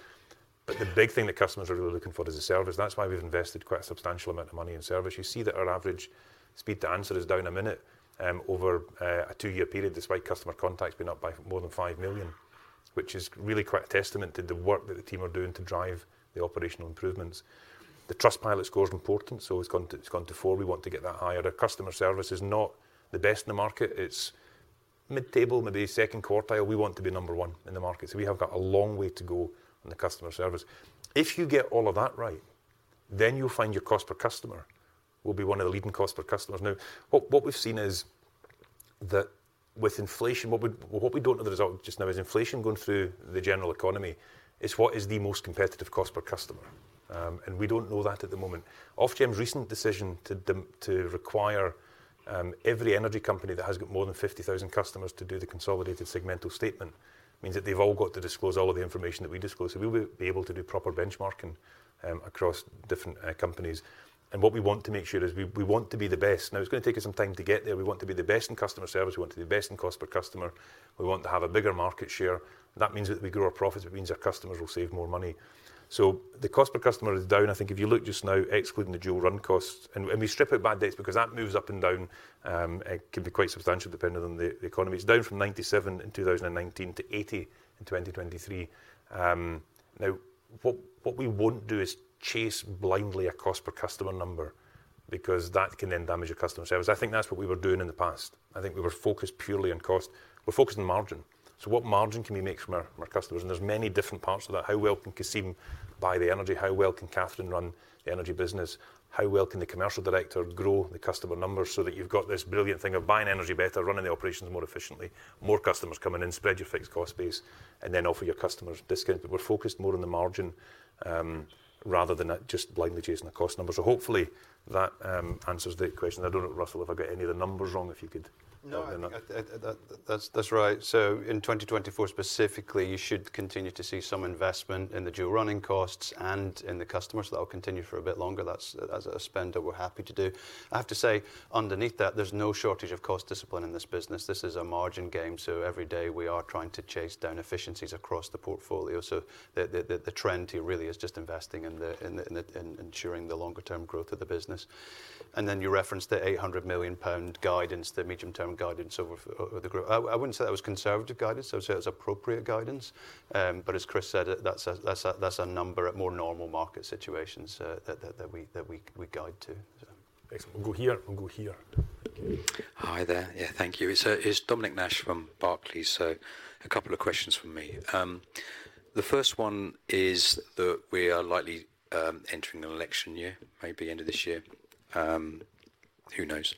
But the big thing that customers are really looking for is the service. That's why we've invested quite a substantial amount of money in service. You see that our average speed to answer is down a minute, over a two-year period, despite customer contacts being up by more than 5 million, which is really quite a testament to the work that the team are doing to drive the operational improvements. The Trustpilot score is important, so it's gone to 4. We want to get that higher. Our customer service is not the best in the market. It's mid-table, maybe second quartile. We want to be number one in the market, so we have got a long way to go on the customer service. If you get all of that right, then you'll find your cost per customer will be one of the leading cost per customers. Now, what we've seen is that with inflation, what we don't know the result just now is inflation going through the general economy, is what is the most competitive cost per customer? And we don't know that at the moment. Ofgem's recent decision to require every energy company that has got more than 50,000 customers to do the consolidated segmental statement means that they've all got to disclose all of the information that we disclose. So we will be able to do proper benchmarking across different companies. And what we want to make sure is we want to be the best. Now, it's going to take us some time to get there. We want to be the best in customer service. We want to be the best in cost per customer. We want to have a bigger market share. That means that we grow our profits, it means our customers will save more money. So the cost per customer is down. I think if you look just now, excluding the dual run costs, and we strip out bad debts because that moves up and down, it can be quite substantial depending on the economy. It's down from 97 in 2019 to 80 in 2023. Now, what we wouldn't do is chase blindly a cost per customer number, because that can then damage your customer service. I think that's what we were doing in the past. I think we were focused purely on cost. We're focused on margin. So what margin can we make from our, from our customers? And there's many different parts of that. How well can Kasim buy the energy? How well can Catherine run the energy business? How well can the commercial director grow the customer numbers so that you've got this brilliant thing of buying energy better, running the operations more efficiently, more customers coming in, spread your fixed cost base, and then offer your customers discount? But we're focused more on the margin, rather than just blindly chasing the cost numbers. So hopefully that answers the question. I don't know, Russell, if I got any of the numbers wrong, if you could- No, that, that's right. So in 2024 specifically, you should continue to see some investment in the dual running costs and in the customers. So that will continue for a bit longer. That's a spend that we're happy to do. I have to say, underneath that, there's no shortage of cost discipline in this business. This is a margin game, so every day we are trying to chase down efficiencies across the portfolio. So the trend here really is just investing in the in ensuring the longer term growth of the business. And then you referenced the 800 million pound guidance, the medium-term guidance over the group. I wouldn't say that was conservative guidance. I would say it was appropriate guidance. But as Chris said, that's a number at more normal market situations that we guide to, so. Thanks. We'll go here, and we'll go here. Hi, there. Yeah, thank you. It's Dominic Nash from Barclays. So a couple of questions from me. The first one is that we are likely entering an election year, maybe end of this year. Who knows?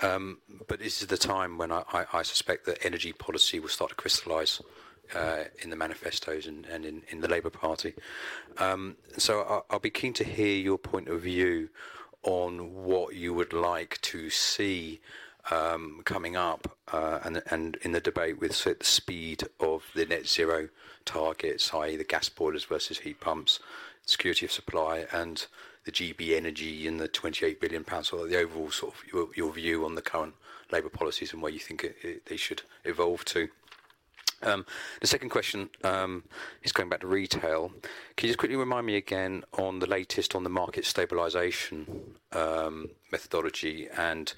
But this is the time when I suspect that energy policy will start to crystallize in the manifestos and in the Labour Party. So I'll be keen to hear your point of view on what you would like to see coming up and in the debate with, say, the speed of the net zero targets, i.e., the gas boilers versus heat pumps, security of supply, and the GB Energy and the 28 billion pounds, or the overall sort of your view on the current Labour policies and where you think they should evolve to. The second question is going back to retail. Can you just quickly remind me again on the latest on the market stabilization methodology, and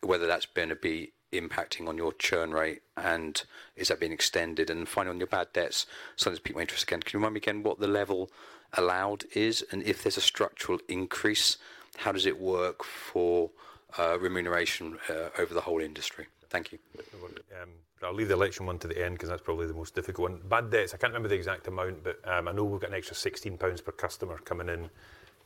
whether that's going to be impacting on your churn rate, and is that being extended? And finally, on your bad debts, so there's pique my interest again, can you remind me again what the level allowed is, and if there's a structural increase, how does it work for remuneration over the whole industry? Thank you. I'll leave the election one to the end, 'cause that's probably the most difficult one. Bad debts, I can't remember the exact amount, but, I know we've got an extra 16 pounds per customer coming in,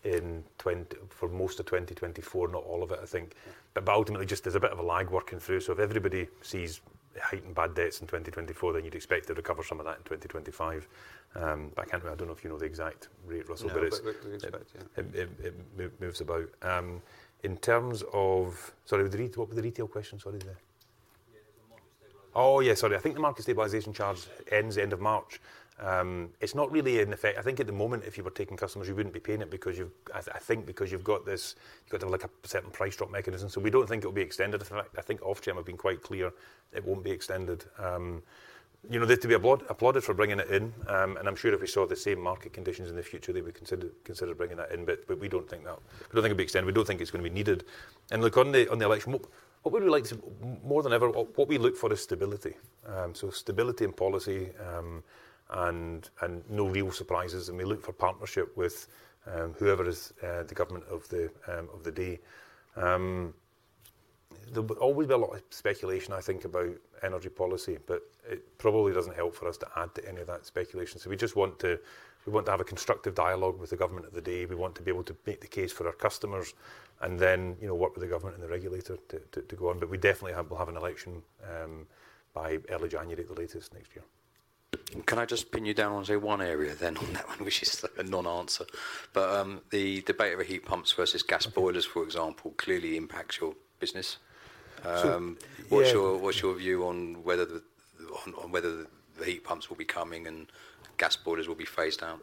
in 2024 for most of 2024, not all of it, I think. But ultimately, just there's a bit of a lag working through. So if everybody sees heightened bad debts in 2024, then you'd expect to recover some of that in 2025. But I can't... I don't know if you know the exact rate, Russell, but it's- No, but we expect, yeah. It moves about. In terms of... Sorry, what was the retail question? Sorry there. Yeah, the market stabilization. Oh, yeah, sorry. I think the market stabilization charge ends end of March. It's not really in effect. I think at the moment, if you were taking customers, you wouldn't be paying it because you've... I think because you've got this, you've got like a certain price drop mechanism. So we don't think it'll be extended. In fact, I think Ofgem have been quite clear it won't be extended. You know, they're to be applauded for bringing it in, and I'm sure if we saw the same market conditions in the future, they would consider bringing that in, but we don't think that. We don't think it'll be extended. We don't think it's going to be needed. And look, on the election, what we would like to... More than ever, what we look for is stability. So stability and policy, and no real surprises, and we look for partnership with whoever is the government of the day. There will always be a lot of speculation, I think, about energy policy, but it probably doesn't help for us to add to any of that speculation. So we just want to we want to have a constructive dialogue with the government of the day. We want to be able to make the case for our customers and then, you know, work with the government and the regulator to go on. But we definitely we'll have an election by early January at the latest next year. Can I just pin you down on, say, one area then on that one, which is a non-answer? But, the debate over heat pumps versus gas boilers, for example, clearly impacts your business. Sure, yeah. What's your view on whether the heat pumps will be coming and gas boilers will be phased out?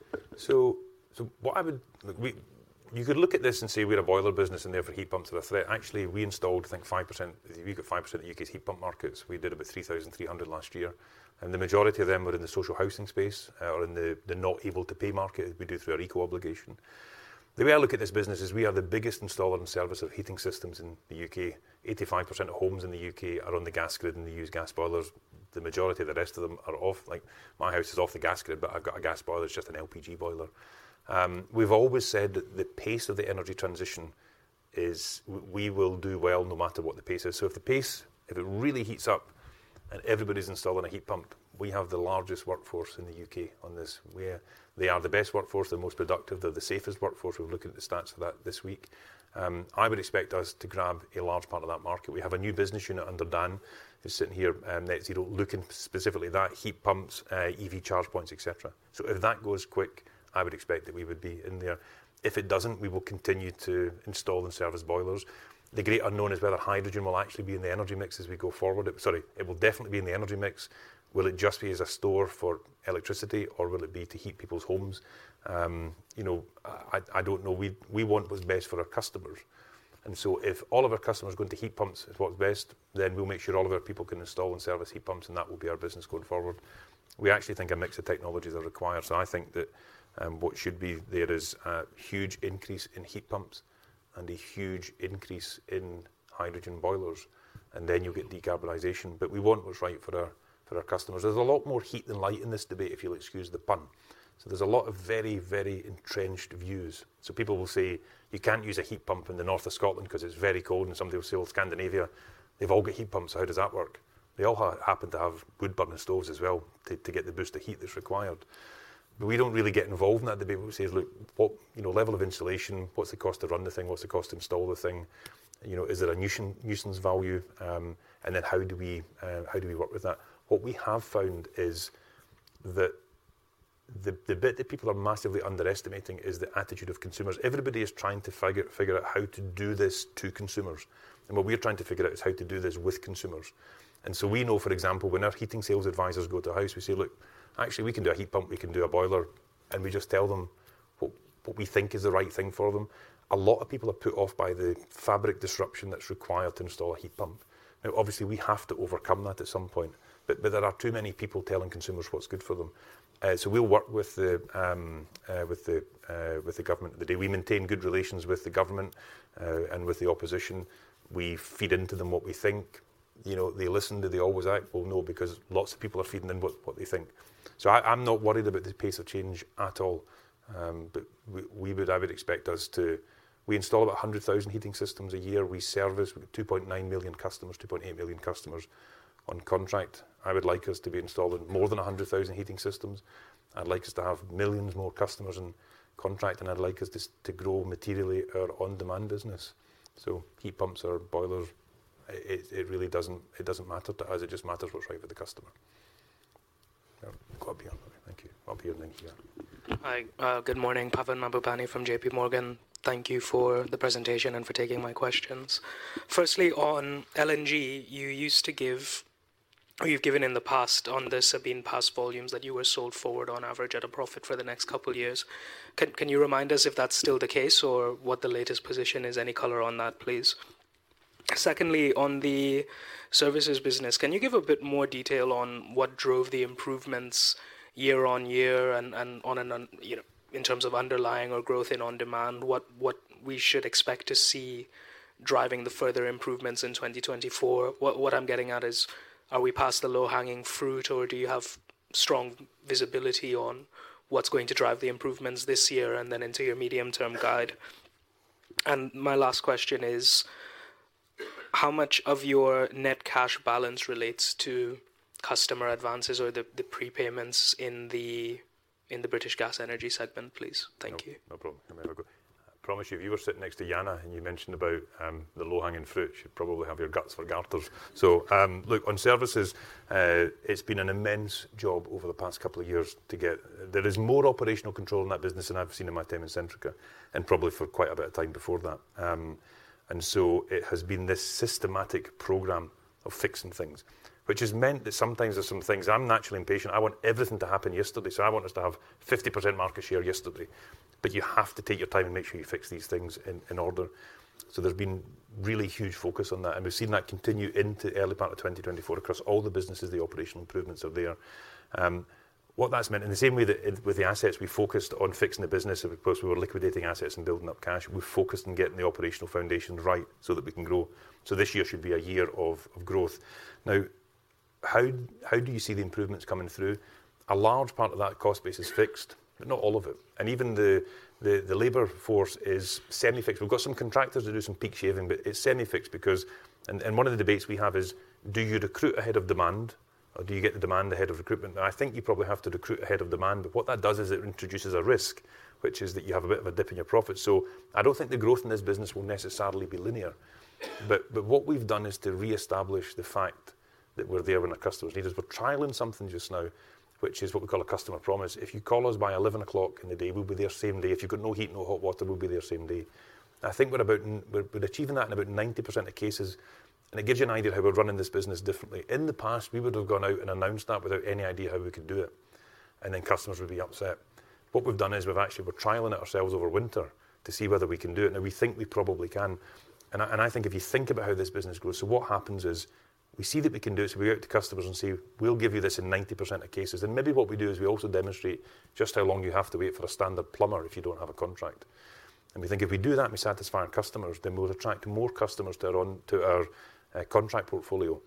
You could look at this and say we're a boiler business, and therefore heat pumps are a threat. Actually, we installed, I think, 5%, we got 5% of the U.K.'s heat pump markets. We did about 3,300 last year, and the majority of them were in the social housing space or in the not able to pay market, we do through our eco obligation. The way I look at this business is we are the biggest installer and servicer of heating systems in the U.K. 85% of homes in the U.K. are on the gas grid, and they use gas boilers. The majority of the rest of them are off, like my house is off the gas grid, but I've got a gas boiler, it's just an LPG boiler. We've always said that the pace of the energy transition is, we will do well no matter what the pace is. So if the pace, if it really heats up and everybody's installing a heat pump, we have the largest workforce in the U.K. on this. They are the best workforce, the most productive, they're the safest workforce. We're looking at the stats for that this week. I would expect us to grab a large part of that market. We have a new business unit under Dan, who's sitting here, Net Zero, looking specifically at that, heat pumps, EV charge points, et cetera. So if that goes quick, I would expect that we would be in there. If it doesn't, we will continue to install and service boilers. The great unknown is whether hydrogen will actually be in the energy mix as we go forward. Sorry, it will definitely be in the energy mix. Will it just be as a store for electricity, or will it be to heat people's homes? You know, I don't know. We want what's best for our customers, and so if all of our customers are going to heat pumps is what's best, then we'll make sure all of our people can install and service heat pumps, and that will be our business going forward. We actually think a mix of technologies are required, so I think that what should be there is a huge increase in heat pumps and a huge increase in hydrogen boilers, and then you'll get decarbonization. But we want what's right for our customers... for our customers. There's a lot more heat than light in this debate, if you'll excuse the pun. So there's a lot of very, very entrenched views. So people will say, "You can't use a heat pump in the north of Scotland 'cause it's very cold." And somebody will say, "Well, Scandinavia, they've all got heat pumps. How does that work?" They all happen to have wood-burning stoves as well, to get the boost of heat that's required. But we don't really get involved in that debate. We say, "Look, what, you know, level of insulation? What's the cost to run the thing? What's the cost to install the thing? You know, is there a nuisance value? And then how do we work with that?" What we have found is that the bit that people are massively underestimating is the attitude of consumers. Everybody is trying to figure out how to do this to consumers, and what we are trying to figure out is how to do this with consumers. And so we know, for example, when our heating sales advisors go to a house, we say, "Look, actually, we can do a heat pump, we can do a boiler," and we just tell them what we think is the right thing for them. A lot of people are put off by the fabric disruption that's required to install a heat pump. Now, obviously, we have to overcome that at some point, but there are too many people telling consumers what's good for them. So we'll work with the government of the day. We maintain good relations with the government and with the opposition. We feed into them what we think. You know, they listen to the analysts? Well, no, because lots of people are feeding them what they think. So I'm not worried about the pace of change at all. But I would expect us to. We install about 100,000 heating systems a year. We service 2.9 million customers, 2.8 million customers on contract. I would like us to be installing more than 100,000 heating systems. I'd like us to have millions more customers on contract, and I'd like us just to grow materially our on-demand business. So heat pumps or boilers, it really doesn't matter to us. It just matters what's right for the customer. Go up here. Thank you. Up here, and then here. Hi, good morning. Pavan Mahbubani from JPMorgan. Thank you for the presentation and for taking my questions. Firstly, on LNG, you used to give, or you've given in the past on the Sabine Pass volumes that you were sold forward on average at a profit for the next couple of years. Can you remind us if that's still the case or what the latest position is? Any color on that, please? Secondly, on the services business, can you give a bit more detail on what drove the improvements year-on-year and on an, you know, in terms of underlying or growth in on-demand, what we should expect to see driving the further improvements in 2024? What, what I'm getting at is, are we past the low-hanging fruit, or do you have strong visibility on what's going to drive the improvements this year and then into your medium-term guide? And my last question is: How much of your net cash balance relates to customer advances or the, the prepayments in the, in the British Gas Energy segment, please? Thank you. No problem. I promise you, if you were sitting next to Jana and you mentioned about the low-hanging fruit, she'd probably have your guts for garters. So, look, on services, it's been an immense job over the past couple of years to get. There is more operational control in that business than I've seen in my time in Centrica, and probably for quite a bit of time before that. And so it has been this systematic program of fixing things, which has meant that sometimes there are some things. I'm naturally impatient. I want everything to happen yesterday, so I want us to have 50% market share yesterday. But you have to take your time and make sure you fix these things in order. So there's been really huge focus on that, and we've seen that continue into the early part of 2024 across all the businesses. The operational improvements are there. What that's meant, in the same way that with the assets, we focused on fixing the business. Of course, we were liquidating assets and building up cash. We focused on getting the operational foundation right so that we can grow. So this year should be a year of growth. Now, how do you see the improvements coming through? A large part of that cost base is fixed, but not all of it. And even the labor force is semi-fixed. We've got some contractors to do some peak shaving, but it's semi-fixed because... And one of the debates we have is, do you recruit ahead of demand, or do you get the demand ahead of recruitment? Now, I think you probably have to recruit ahead of demand, but what that does is it introduces a risk, which is that you have a bit of a dip in your profit. So I don't think the growth in this business will necessarily be linear. But what we've done is to reestablish the fact that we're there when our customers need us. We're trialing something just now, which is what we call a customer promise. If you call us by 11:00 A.M., we'll be there same day. If you've got no heat, no hot water, we'll be there same day. I think we're about. We're achieving that in about 90% of cases, and it gives you an idea of how we're running this business differently. In the past, we would have gone out and announced that without any idea how we could do it, and then customers would be upset. What we've done is we've actually, we're trialing it ourselves over winter to see whether we can do it. Now, we think we probably can, and I, and I think if you think about how this business grows, so what happens is, we see that we can do it, so we go out to customers and say, "We'll give you this in 90% of cases." And maybe what we do is we also demonstrate just how long you have to wait for a standard plumber if you don't have a contract. And we think if we do that, and we satisfy our customers, then we'll attract more customers to our contract portfolio.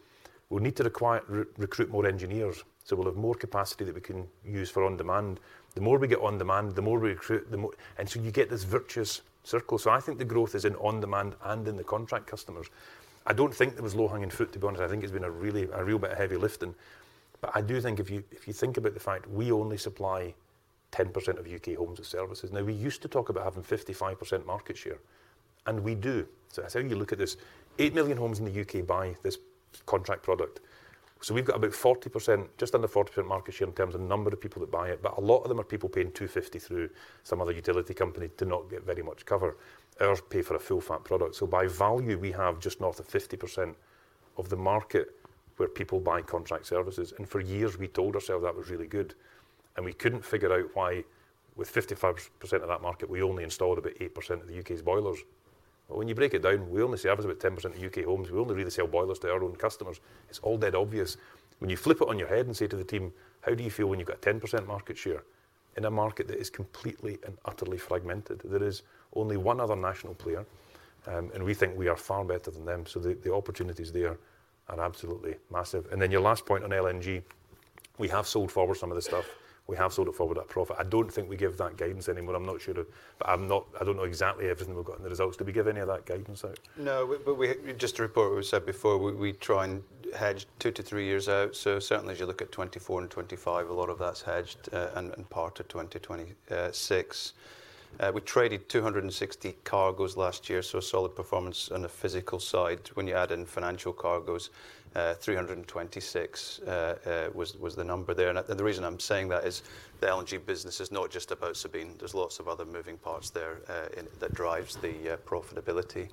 We'll need to recruit more engineers, so we'll have more capacity that we can use for on-demand. The more we get on-demand, the more we recruit, the more... And so you get this virtuous circle. So I think the growth is in on-demand and in the contract customers. I don't think there was low-hanging fruit, to be honest. I think it's been a real bit of heavy lifting. But I do think if you, if you think about the fact we only supply 10% of U.K. homes with services. Now, we used to talk about having 55% market share, and we do. So as how you look at this, 8 million homes in the U.K. buy this contract product. So we've got about 40%, just under 40% market share in terms of number of people that buy it, but a lot of them are people paying 250 through some other utility company to not get very much cover or pay for a full, fat product. So by value, we have just north of 50% of the market where people buy contract services, and for years, we told ourselves that was really good. We couldn't figure out why with 55% of that market, we only installed about 8% of the U.K.'s boilers. But when you break it down, we only service about 10% of U.K. homes. We only really sell boilers to our own customers. It's all dead obvious. When you flip it on your head and say to the team, "How do you feel when you've got a 10% market share?" in a market that is completely and utterly fragmented. There is only one other national player, and we think we are far better than them, so the opportunities there are absolutely massive. And then your last point on LNG, we have sold forward some of the stuff. We have sold it forward at a profit. I don't think we give that guidance anymore. I'm not sure, but I'm not—I don't know exactly everything we've got in the results. Did we give any of that guidance out? No, but just to report what we said before, we try and hedge 2-3 years out. So certainly, as you look at 2024 and 2025, a lot of that's hedged, and part of 2026. We traded 260 cargoes last year, so a solid performance on the physical side. When you add in financial cargoes, 326 was the number there. And the reason I'm saying that is the LNG business is not just about Sabine Pass. There's lots of other moving parts there in that drives the profitability.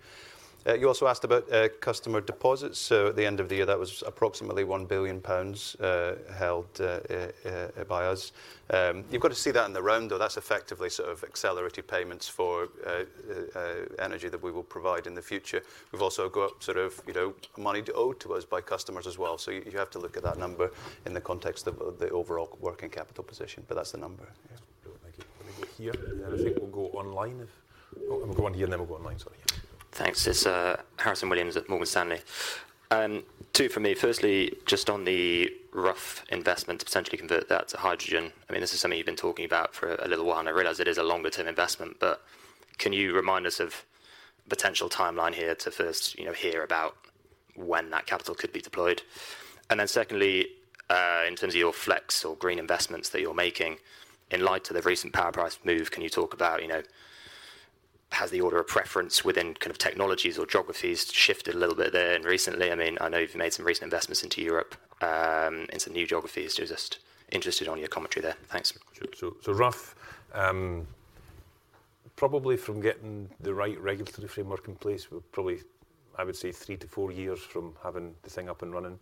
You also asked about customer deposits. So at the end of the year, that was approximately 1 billion pounds held by us. You've got to see that in the round, though. That's effectively sort of accelerated payments for energy that we will provide in the future. We've also got sort of, you know, money owed to us by customers as well. So you have to look at that number in the context of the overall working capital position, but that's the number. Yeah. Thank you. Here, and I think we'll go online if... We'll go on here, and then we'll go online. Sorry. Thanks. It's Harrison Williams at Morgan Stanley. Two for me. Firstly, just on the Rough investment to potentially convert that to hydrogen. I mean, this is something you've been talking about for a little while, and I realize it is a longer term investment, but can you remind us of potential timeline here to first, you know, hear about when that capital could be deployed? And then secondly, in terms of your flex or green investments that you're making, in light of the recent power price move, can you talk about, you know, has the order of preference within kind of technologies or geographies shifted a little bit there and recently? I mean, I know you've made some recent investments into Europe, into new geographies. Just interested on your commentary there. Thanks. Sure. So, so Rough, probably from getting the right regulatory framework in place, we're probably, I would say, 3-4 years from having the thing up and running.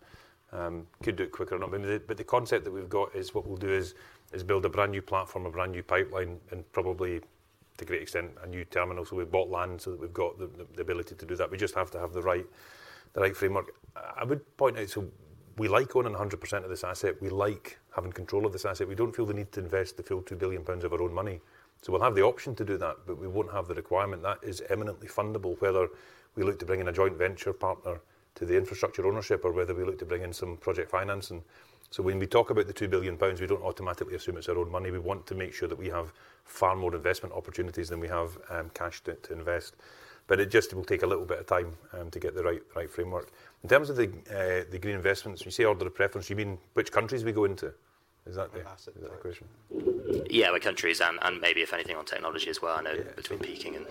Could do it quicker or not. But the, but the concept that we've got is what we'll do is, is build a brand-new platform, a brand-new pipeline, and probably, to a great extent, a new terminal. So we've bought land, so we've got the, the ability to do that. We just have to have the right, the right framework. I would point out, so we like owning 100% of this asset. We like having control of this asset. We don't feel the need to invest the full 2 billion pounds of our own money. So we'll have the option to do that, but we won't have the requirement. That is eminently fundable, whether we look to bring in a joint venture partner to the infrastructure ownership or whether we look to bring in some project financing. So when we talk about the 2 billion pounds, we don't automatically assume it's our own money. We want to make sure that we have far more investment opportunities than we have cash to invest. But it just will take a little bit of time to get the right framework. In terms of the green investments, when you say order of preference, you mean which countries we go into? Is that the- Asset. - question? Yeah, the countries and, and maybe if anything, on technology as well. I know between peaking and-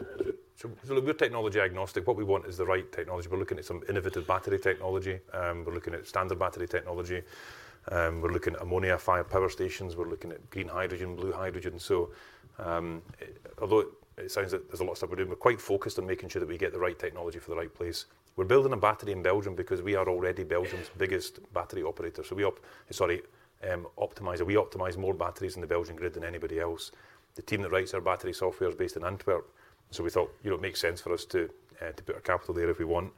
So we're technology agnostic. What we want is the right technology. We're looking at some innovative battery technology, we're looking at standard battery technology, we're looking at ammonia-fired power stations, we're looking at green hydrogen, blue hydrogen. So although it sounds like there's a lot of stuff we're doing, we're quite focused on making sure that we get the right technology for the right place. We're building a battery in Belgium because we are already Belgium's biggest battery operator. So we op- sorry, optimizer. We optimize more batteries in the Belgian grid than anybody else. The team that writes our battery software is based in Antwerp, so we thought, you know, it makes sense for us to put our capital there if we want.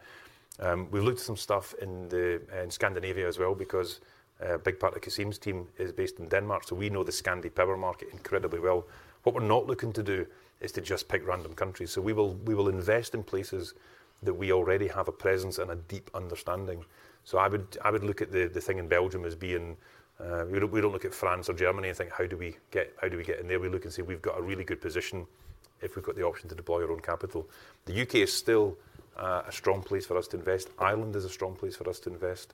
We looked at some stuff in the, in Scandinavia as well, because a big part of Kasim's team is based in Denmark, so we know the Scandi power market incredibly well. What we're not looking to do is to just pick random countries. So we will, we will invest in places that we already have a presence and a deep understanding. So I would, I would look at the, the thing in Belgium as being... We don't, we don't look at France or Germany and think, how do we get, how do we get in there? We look and say, "We've got a really good position if we've got the option to deploy our own capital." The U.K. is still a strong place for us to invest. Ireland is a strong place for us to invest,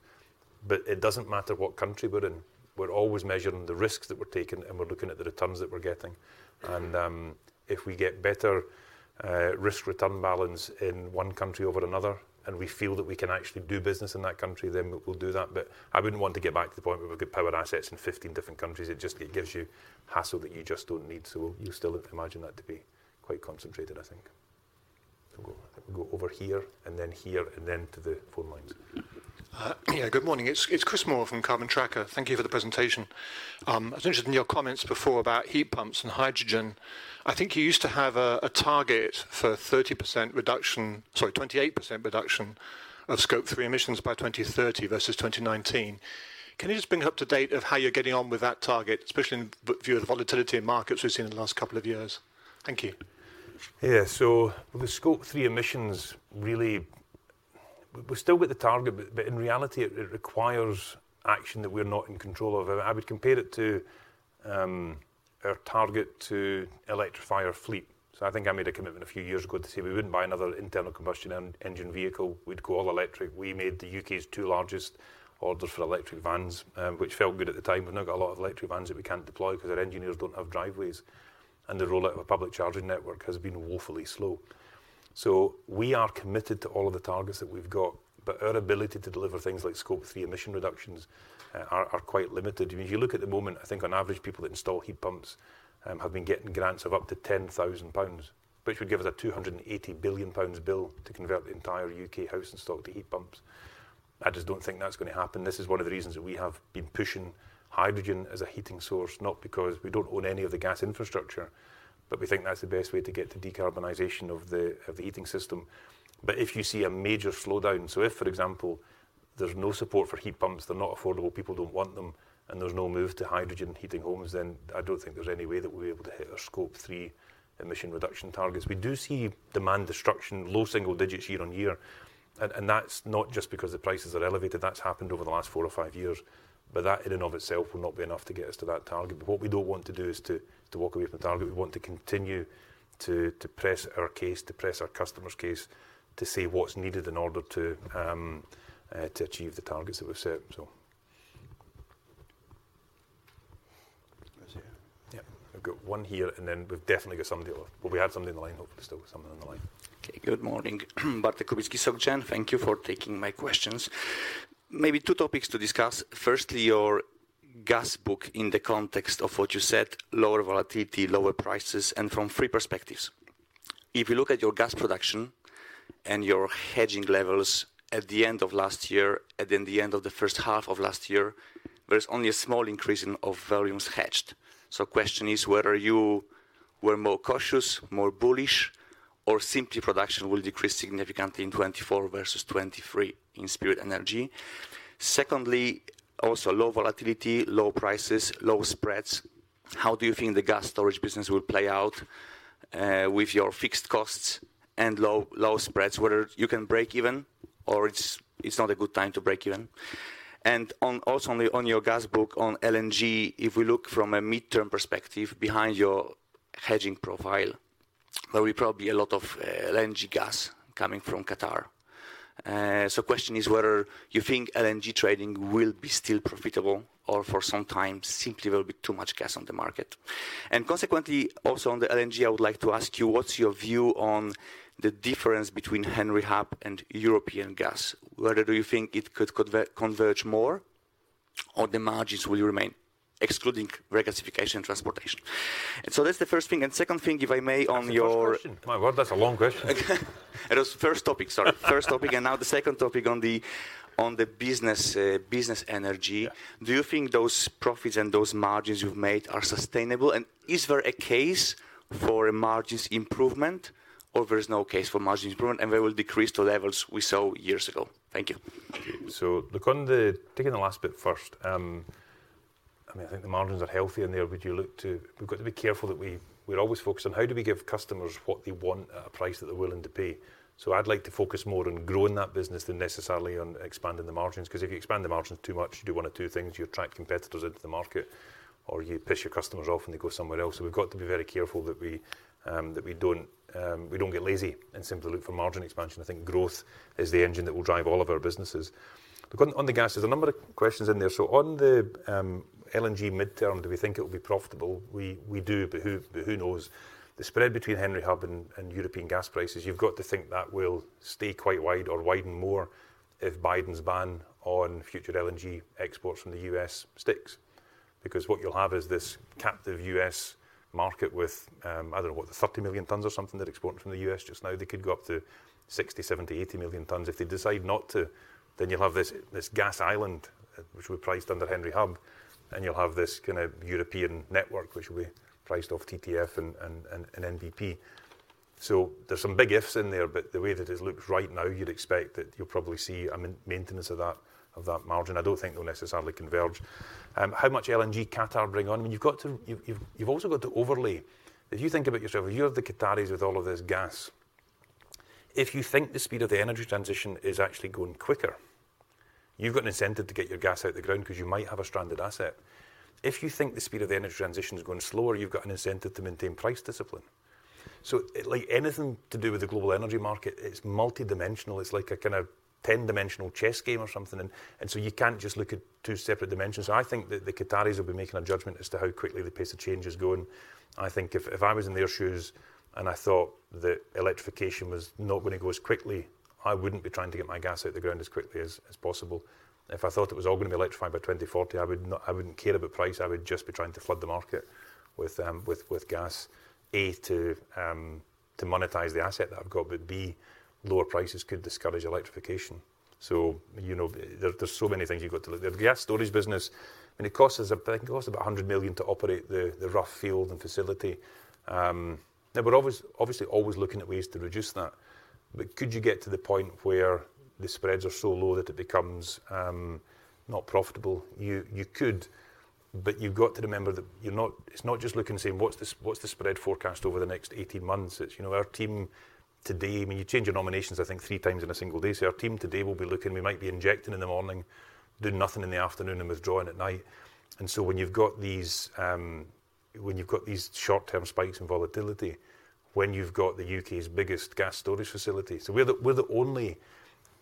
but it doesn't matter what country we're in, we're always measuring the risks that we're taking, and we're looking at the returns that we're getting. And, if we get better, risk-return balance in one country over another, and we feel that we can actually do business in that country, then we'll do that. But I wouldn't want to get back to the point where we've got power assets in 15 different countries. It just, it gives you hassle that you just don't need, so you still imagine that to be quite concentrated, I think. We'll go over here and then here, and then to the phone lines. Yeah, good morning. It's Chris Moore from Carbon Tracker. Thank you for the presentation. I was interested in your comments before about heat pumps and hydrogen. I think you used to have a target for 30% reduction, sorry, 28% reduction of Scope 3 emissions by 2030 versus 2019. Can you just bring us up to date of how you're getting on with that target, especially in view of the volatility in markets we've seen in the last couple of years? Thank you. Yeah. So with Scope 3 emissions, really, we've still got the target, but in reality, it requires action that we're not in control of. I would compare it to our target to electrify our fleet. So I think I made a commitment a few years ago to say we wouldn't buy another internal combustion engine vehicle, we'd go all electric. We made the U.K.'s two largest orders for electric vans, which felt good at the time. We've now got a lot of electric vans that we can't deploy 'cause our engineers don't have driveways, and the rollout of a public charging network has been woefully slow. So we are committed to all of the targets that we've got, but our ability to deliver things like Scope 3 emission reductions are quite limited. If you look at the moment, I think on average, people that install heat pumps have been getting grants of up to 10,000 pounds, which would give us a 280 billion pounds bill to convert the entire U.K. house and install the heat pumps. I just don't think that's gonna happen. This is one of the reasons that we have been pushing hydrogen as a heating source, not because we don't own any of the gas infrastructure, but we think that's the best way to get to decarbonization of the heating system. But if you see a major slowdown, so if, for example,... there's no support for heat pumps, they're not affordable, people don't want them, and there's no move to hydrogen heating homes, then I don't think there's any way that we'll be able to hit our Scope 3 emission reduction targets. We do see demand destruction, low single digits year-on-year. And that's not just because the prices are elevated, that's happened over the last 4 or 5 years. But that in and of itself will not be enough to get us to that target. But what we don't want to do is to walk away from the target. We want to continue to press our case, to press our customers' case, to say what's needed in order to achieve the targets that we've set, so. Yeah. Yeah, I've got one here, and then we've definitely got somebody left. Well, we had somebody on the line, hopefully still someone on the line. Okay, good morning. Bart Kubicki, Soc Gen. Thank you for taking my questions. Maybe two topics to discuss. Firstly, your gas book in the context of what you said, lower volatility, lower prices, and from three perspectives. If you look at your gas production and your hedging levels at the end of last year, and then the end of the first half of last year, there is only a small increase in volumes hedged. So question is, whether you were more cautious, more bullish, or simply production will decrease significantly in 2024 versus 2023 in Spirit Energy? Secondly, also low volatility, low prices, low spreads. How do you think the gas storage business will play out, with your fixed costs and low, low spreads, whether you can break even or it's not a good time to break even? Also on the gas book on LNG, if we look from a midterm perspective behind your hedging profile, there will probably be a lot of LNG gas coming from Qatar. So question is whether you think LNG trading will be still profitable or for some time, simply there will be too much gas on the market? And consequently, also on the LNG, I would like to ask you, what's your view on the difference between Henry Hub and European gas? Whether do you think it could converge more or the margins will remain, excluding regasification and transportation? And so that's the first thing. And second thing, if I may, on your- That's the first question. My God, that's a long question. It was first topic, sorry. First topic, and now the second topic on the business, business energy. Yeah. Do you think those profits and those margins you've made are sustainable? And is there a case for a margins improvement, or there is no case for margins improvement, and they will decrease to levels we saw years ago? Thank you. So, look, taking the last bit first, I mean, I think the margins are healthy in there, but we've got to be careful that we're always focused on how do we give customers what they want at a price that they're willing to pay. So I'd like to focus more on growing that business than necessarily on expanding the margins, 'cause if you expand the margins too much, you do one of two things: You attract competitors into the market, or you piss your customers off and they go somewhere else. So we've got to be very careful that we don't get lazy and simply look for margin expansion. I think growth is the engine that will drive all of our businesses. Look, on the gas, there's a number of questions in there. So on the LNG midterm, do we think it will be profitable? We do, but who knows? The spread between Henry Hub and European gas prices, you've got to think that will stay quite wide or widen more if Biden's ban on future LNG exports from the U.S. sticks. Because what you'll have is this captive U.S. market with, I don't know, what, 30 million tons or something, they're exporting from the U.S. just now. They could go up to 60, 70, 80 million tons. If they decide not to, then you'll have this gas island, which will be priced under Henry Hub, and you'll have this kind of European network, which will be priced off TTF and NBP So there's some big ifs in there, but the way that it looks right now, you'd expect that you'll probably see a maintenance of that, of that margin. I don't think they'll necessarily converge. How much LNG can Qatar bring on? I mean, you've got to... You've also got to overlay. If you think about yourself, you have the Qataris with all of this gas. If you think the speed of the energy transition is actually going quicker, you've got an incentive to get your gas out of the ground 'cause you might have a stranded asset. If you think the speed of the energy transition is going slower, you've got an incentive to maintain price discipline. So like anything to do with the global energy market, it's multidimensional. It's like a kind of 10-dimensional chess game or something, and so you can't just look at two separate dimensions. I think that the Qataris will be making a judgment as to how quickly the pace of change is going. I think if I was in their shoes and I thought that electrification was not going to go as quickly, I wouldn't be trying to get my gas out the ground as quickly as possible. If I thought it was all going to be electrified by 2040, I wouldn't care about price, I would just be trying to flood the market with gas. A, to monetize the asset that I've got, but B, lower prices could discourage electrification. So, you know, there's so many things you've got to look at. The gas storage business, and it costs us about, I think, 100 million to operate the Rough field and facility. Now, we're always obviously looking at ways to reduce that. But could you get to the point where the spreads are so low that it becomes not profitable? You could, but you've got to remember that you're not, it's not just looking and saying, "What's the spread forecast over the next 18 months?" It's, you know, our team today. I mean, you change your nominations, I think, 3x in a single day. So our team today will be looking, we might be injecting in the morning, doing nothing in the afternoon, and withdrawing at night. When you've got these short-term spikes in volatility, when you've got the U.K.'s biggest gas storage facility. So we're the only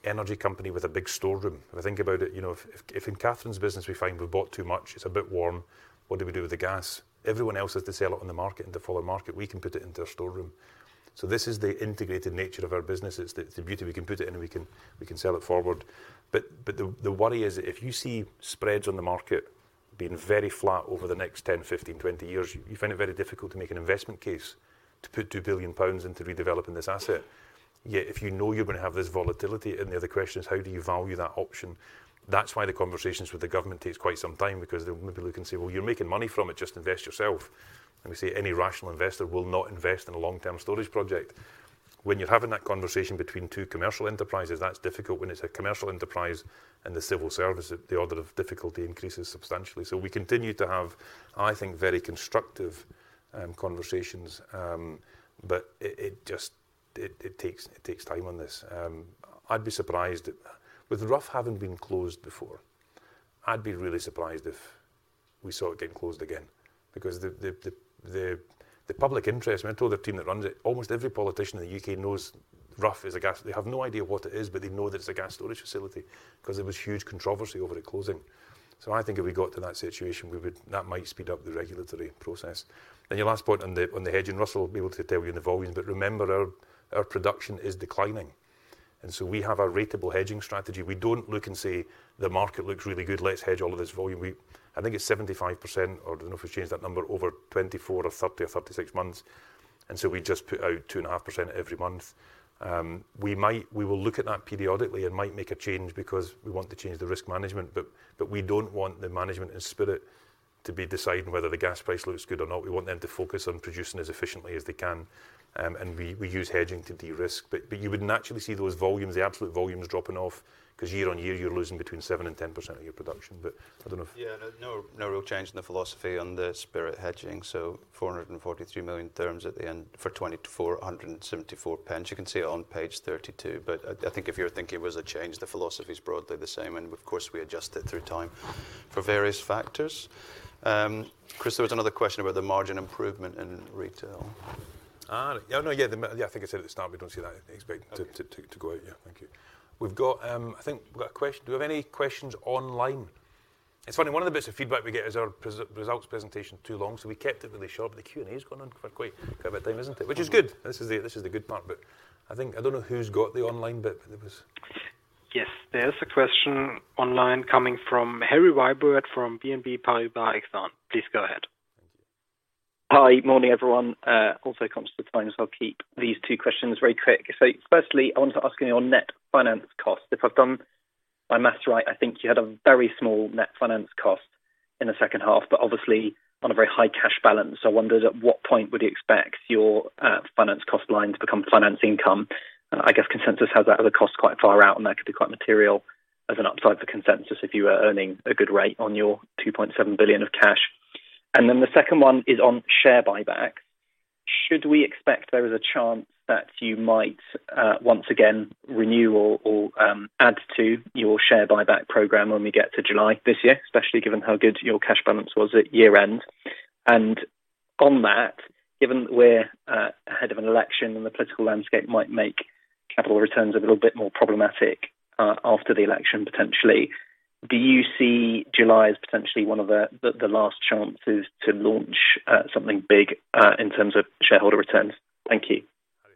energy company with a big storeroom. If I think about it, you know, if in Centrica's business, we find we bought too much, it's a bit warm, what do we do with the gas? Everyone else has to sell it on the market, in the futures market, we can put it into our storeroom. So this is the integrated nature of our business. It's the beauty, we can put it in and we can sell it forward. But the worry is, if you see spreads on the market being very flat over the next 10, 15, 20 years, you find it very difficult to make an investment case to put 2 billion pounds into redeveloping this asset. Yet, if you know you're going to have this volatility in there, the question is: How do you value that option? That's why the conversations with the government takes quite some time, because they're maybe looking and say, "Well, you're making money from it, just invest yourself." And we say, "Any rational investor will not invest in a long-term storage project."... when you're having that conversation between two commercial enterprises, that's difficult. When it's a commercial enterprise and the civil service, the order of difficulty increases substantially. So we continue to have, I think, very constructive conversations, but it just takes time on this. I'd be surprised, with Rough having been closed before, I'd be really surprised if we saw it getting closed again because the public interest, I mean, I told the team that runs it, almost every politician in the U.K. knows Rough is a gas- They have no idea what it is, but they know that it's a gas storage facility 'cause there was huge controversy over it closing. So I think if we got to that situation, we would- that might speed up the regulatory process. Then your last point on the hedging, Russell will be able to tell you in the volumes, but remember, our production is declining, and so we have a ratable hedging strategy. We don't look and say, "The market looks really good, let's hedge all of this volume." We, I think it's 75%, or I don't know if we've changed that number, over 24 or 30 or 36 months, and so we just put out 2.5% every month. We might... We will look at that periodically and might make a change because we want to change the risk management, but, but we don't want the management and Spirit to be deciding whether the gas price looks good or not. We want them to focus on producing as efficiently as they can, and we, we use hedging to de-risk. But, but you would naturally see those volumes, the absolute volumes dropping off, 'cause year-on-year, you're losing between 7% and 10% of your production. But I don't know if- Yeah, no, no real change in the philosophy on the Spirit hedging, so 443 million terms at the end for 2024, 174 pence. You can see it on page 32, but I think if you're thinking there was a change, the philosophy is broadly the same, and of course, we adjust it through time for various factors. Chris, there was another question about the margin improvement in retail. Ah, no, yeah. Yeah, I think I said at the start, we don't see that expected to go out. Yeah. Thank you. We've got... I think we've got a question. Do we have any questions online? It's funny, one of the bits of feedback we get is our results presentation too long, so we kept it really short, but the Q&A is going on for quite a bit of time, isn't it? Which is good. This is the good part, but I think, I don't know who's got the online bit, but it was- Yes, there's a question online coming from Harry Wyburd from BNP Paribas Exane. Please go ahead. Thank you. Hi. Morning, everyone. Also comes to time, so I'll keep these two questions very quick. So firstly, I wanted to ask you on net finance cost. If I've done my math right, I think you had a very small net finance cost in the second half, but obviously, on a very high cash balance. So I wondered, at what point would you expect your finance cost line to become finance income? I guess consensus has that as a cost quite far out, and that could be quite material as an upside for consensus if you are earning a good rate on your 2.7 billion of cash. And then the second one is on share buyback. Should we expect there is a chance that you might, once again renew or, or, add to your share buyback program when we get to July this year, especially given how good your cash balance was at year end? And on that, given we're, ahead of an election and the political landscape might make capital returns a little bit more problematic, after the election, potentially, do you see July as potentially one of the, the, the last chances to launch, something big, in terms of shareholder returns? Thank you.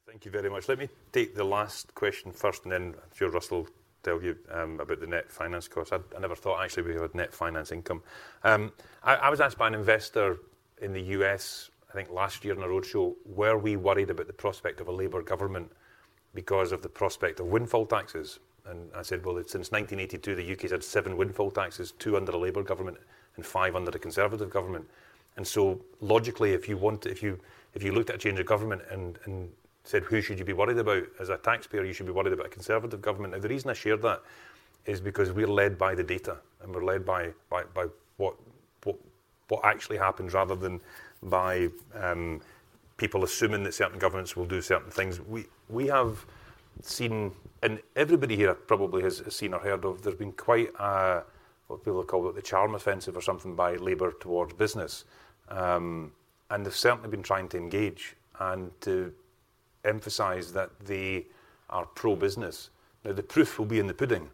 Thank you very much. Let me take the last question first, and then I'm sure Russell will tell you about the net finance cost. I never thought actually we had net finance income. I was asked by an investor in the U.S., I think last year on a roadshow, were we worried about the prospect of a Labour government because of the prospect of windfall taxes? And I said, "Well, since 1982, the U.K. has had seven windfall taxes, two under the Labour government and five under the Conservative government." And so, logically, if you want... If you looked at a change of government and said, "Who should you be worried about?" As a taxpayer, you should be worried about a Conservative government. Now, the reason I shared that is because we're led by the data, and we're led by what actually happens rather than by people assuming that certain governments will do certain things. We have seen, and everybody here probably has seen or heard of, there's been quite a what people call the charm offensive or something by Labour towards business. And they've certainly been trying to engage and to emphasize that they are pro-business. Now, the proof will be in the pudding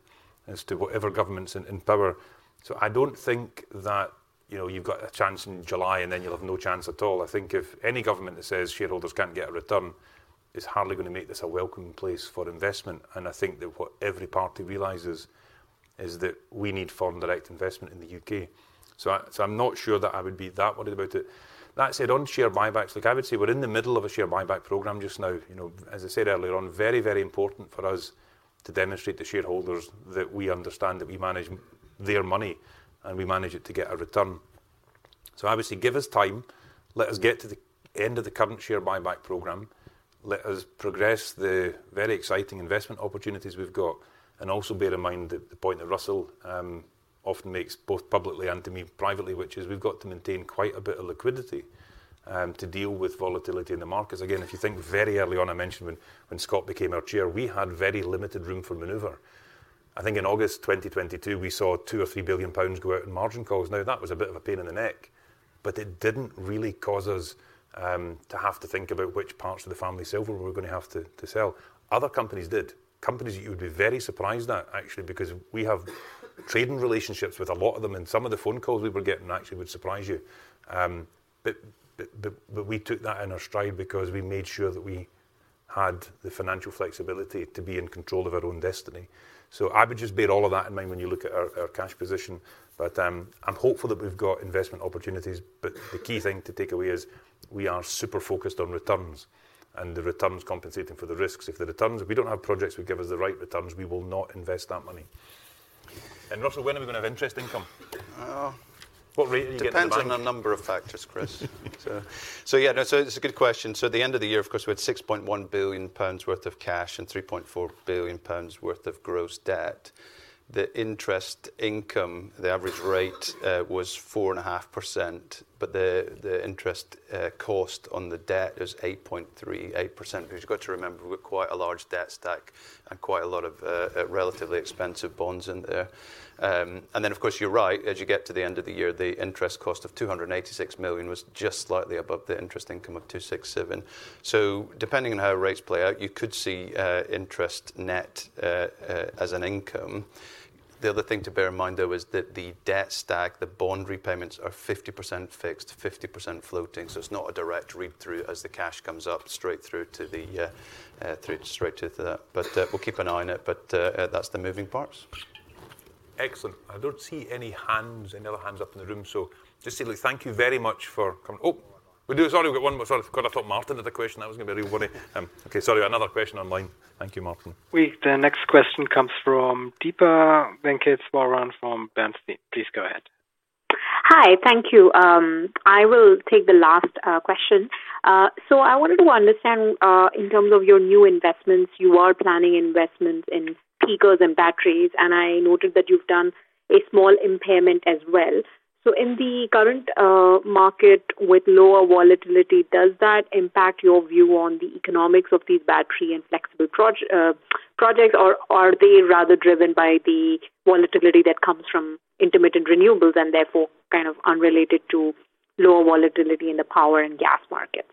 as to whatever government's in power. So I don't think that, you know, you've got a chance in July, and then you'll have no chance at all. I think if any government that says shareholders can't get a return is hardly gonna make this a welcoming place for investment, and I think that what every party realizes is that we need foreign direct investment in the U.K. So I'm not sure that I would be that worried about it. That said, on share buybacks, look, I would say we're in the middle of a share buyback program just now. You know, as I said earlier on, very, very important for us to demonstrate to shareholders that we understand that we manage their money, and we manage it to get a return. So obviously, give us time, let us get to the end of the current share buyback program, let us progress the very exciting investment opportunities we've got, and also bear in mind that the point that Russell often makes, both publicly and to me privately, which is we've got to maintain quite a bit of liquidity to deal with volatility in the markets. Again, if you think very early on, I mentioned when Scott became our chair, we had very limited room for maneuver. I think in August 2022, we saw 2 billion or 3 billion pounds go out in margin calls. Now, that was a bit of a pain in the neck, but it didn't really cause us to have to think about which parts of the family silver we were gonna have to sell. Other companies did. Companies that you would be very surprised at, actually, because we have trading relationships with a lot of them, and some of the phone calls we were getting actually would surprise you. But we took that in our stride because we made sure that we had the financial flexibility to be in control of our own destiny. So I would just bear all of that in mind when you look at our cash position. But I'm hopeful that we've got investment opportunities, but the key thing to take away is we are super focused on returns and the returns compensating for the risks. If we don't have projects that give us the right returns, we will not invest that money... and Russell, when are we going to have interest income? Uh- What rate are you getting in the bank? Depends on a number of factors, Chris. So yeah, no, so it's a good question. So at the end of the year, of course, we had 6.1 billion pounds worth of cash and 3.4 billion pounds worth of gross debt. The interest income, the average rate, was 4.5%, but the interest cost on the debt is 8.38%. Because you've got to remember, we've quite a large debt stack and quite a lot of relatively expensive bonds in there. And then, of course, you're right, as you get to the end of the year, the interest cost of 286 million was just slightly above the interest income of 267 million. So depending on how rates play out, you could see interest net as an income. The other thing to bear in mind, though, is that the debt stack, the bond repayments, are 50% fixed, 50% floating. So it's not a direct read-through as the cash comes up straight through to the, through, straight to that. But, we'll keep an eye on it, but, that's the moving parts. Excellent. I don't see any hands, any other hands up in the room, so just say thank you very much for coming. Oh, we do. Sorry, we've got one more. Sorry, God, I thought Martin had a question. I was going to be really worrying. Okay, sorry, another question online. Thank you, Martin. Well, the next question comes from Deepa Venkateswaran from Bernstein. Please go ahead. Hi, thank you. I will take the last question. So I wanted to understand, in terms of your new investments, you are planning investments in peakers and batteries, and I noted that you've done a small impairment as well. So in the current market with lower volatility, does that impact your view on the economics of these battery and flexible projects, or are they rather driven by the volatility that comes from intermittent renewables and therefore kind of unrelated to lower volatility in the power and gas markets?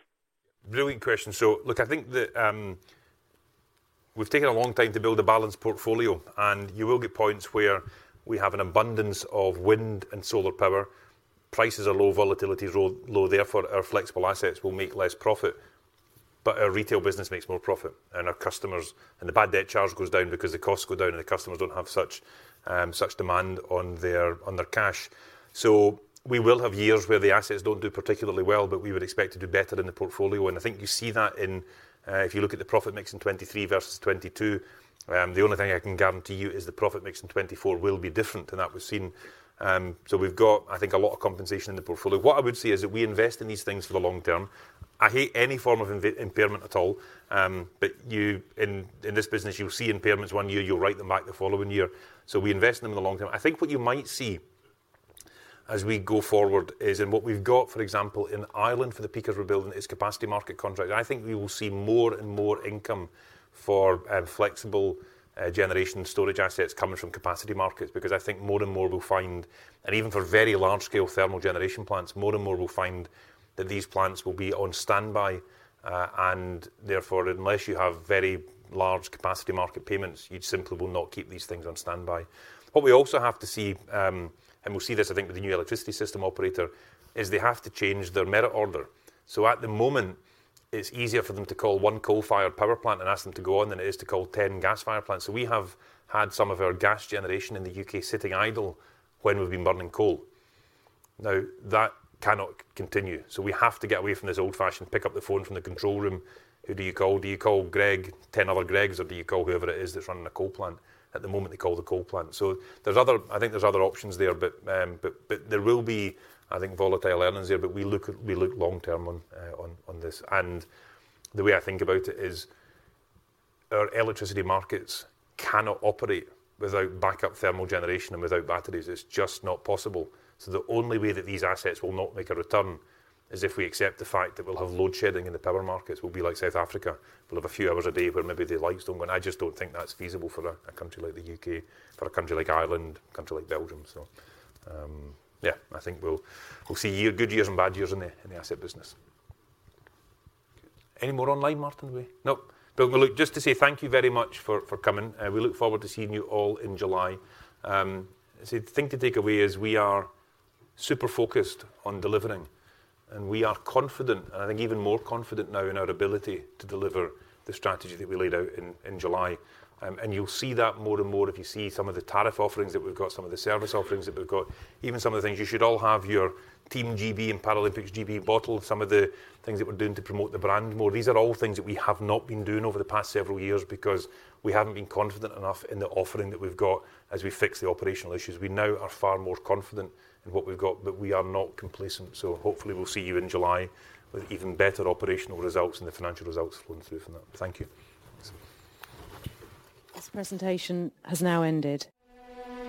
Brilliant question. So look, I think that, we've taken a long time to build a balanced portfolio, and you will get points where we have an abundance of wind and solar power. Prices are low, volatility is low, therefore, our flexible assets will make less profit, but our retail business makes more profit, and our customers... And the bad debt charge goes down because the costs go down and the customers don't have such, such demand on their, on their cash. So we will have years where the assets don't do particularly well, but we would expect to do better in the portfolio. And I think you see that in, if you look at the profit mix in 2023 versus 2022. The only thing I can guarantee you is the profit mix in 2024 will be different, and that was seen. So we've got, I think, a lot of compensation in the portfolio. What I would say is that we invest in these things for the long term. I hate any form of impairment at all, but you, in this business, you'll see impairments one year, you'll write them back the following year. So we invest in them in the long term. I think what you might see as we go forward is, and what we've got, for example, in Ireland for the peakers we're building, is capacity market contracts. I think we will see more and more income for flexible generation storage assets coming from capacity markets because I think more and more we'll find... And even for very large-scale thermal generation plants, more and more we'll find that these plants will be on standby, and therefore, unless you have very large capacity market payments, you simply will not keep these things on standby. What we also have to see, and we'll see this, I think, with the new electricity system operator, is they have to change their merit order. So at the moment, it's easier for them to call one coal-fired power plant and ask them to go on than it is to call 10 gas-fired plants. So we have had some of our gas generation in the U.K. sitting idle when we've been burning coal. Now, that cannot continue. So we have to get away from this old-fashioned, pick up the phone from the control room. Who do you call? Do you call Greg, 10 other Gregs, or do you call whoever it is that's running the coal plant? At the moment, they call the coal plant. So there's other, I think there's other options there, but, but there will be, I think, volatile earnings there, but we look long term on this. And the way I think about it is, our electricity markets cannot operate without backup thermal generation and without batteries. It's just not possible. So the only way that these assets will not make a return is if we accept the fact that we'll have load shedding in the power markets. We'll be like South Africa. We'll have a few hours a day where maybe the lights don't go on. I just don't think that's feasible for a country like the U.K., for a country like Ireland, a country like Belgium. So, yeah, I think we'll see good years and bad years in the asset business. Any more online, Martin? Nope. But look, just to say thank you very much for coming. We look forward to seeing you all in July. So the thing to take away is we are super focused on delivering, and we are confident, and I think even more confident now in our ability to deliver the strategy that we laid out in July. You'll see that more and more if you see some of the tariff offerings that we've got, some of the service offerings that we've got, even some of the things you should all have, your Team GB and Paralympics GB bottle, some of the things that we're doing to promote the brand more. These are all things that we have not been doing over the past several years because we haven't been confident enough in the offering that we've got as we fix the operational issues. We now are far more confident in what we've got, but we are not complacent. Hopefully, we'll see you in July with even better operational results and the financial results flowing through from that. Thank you. This presentation has now ended.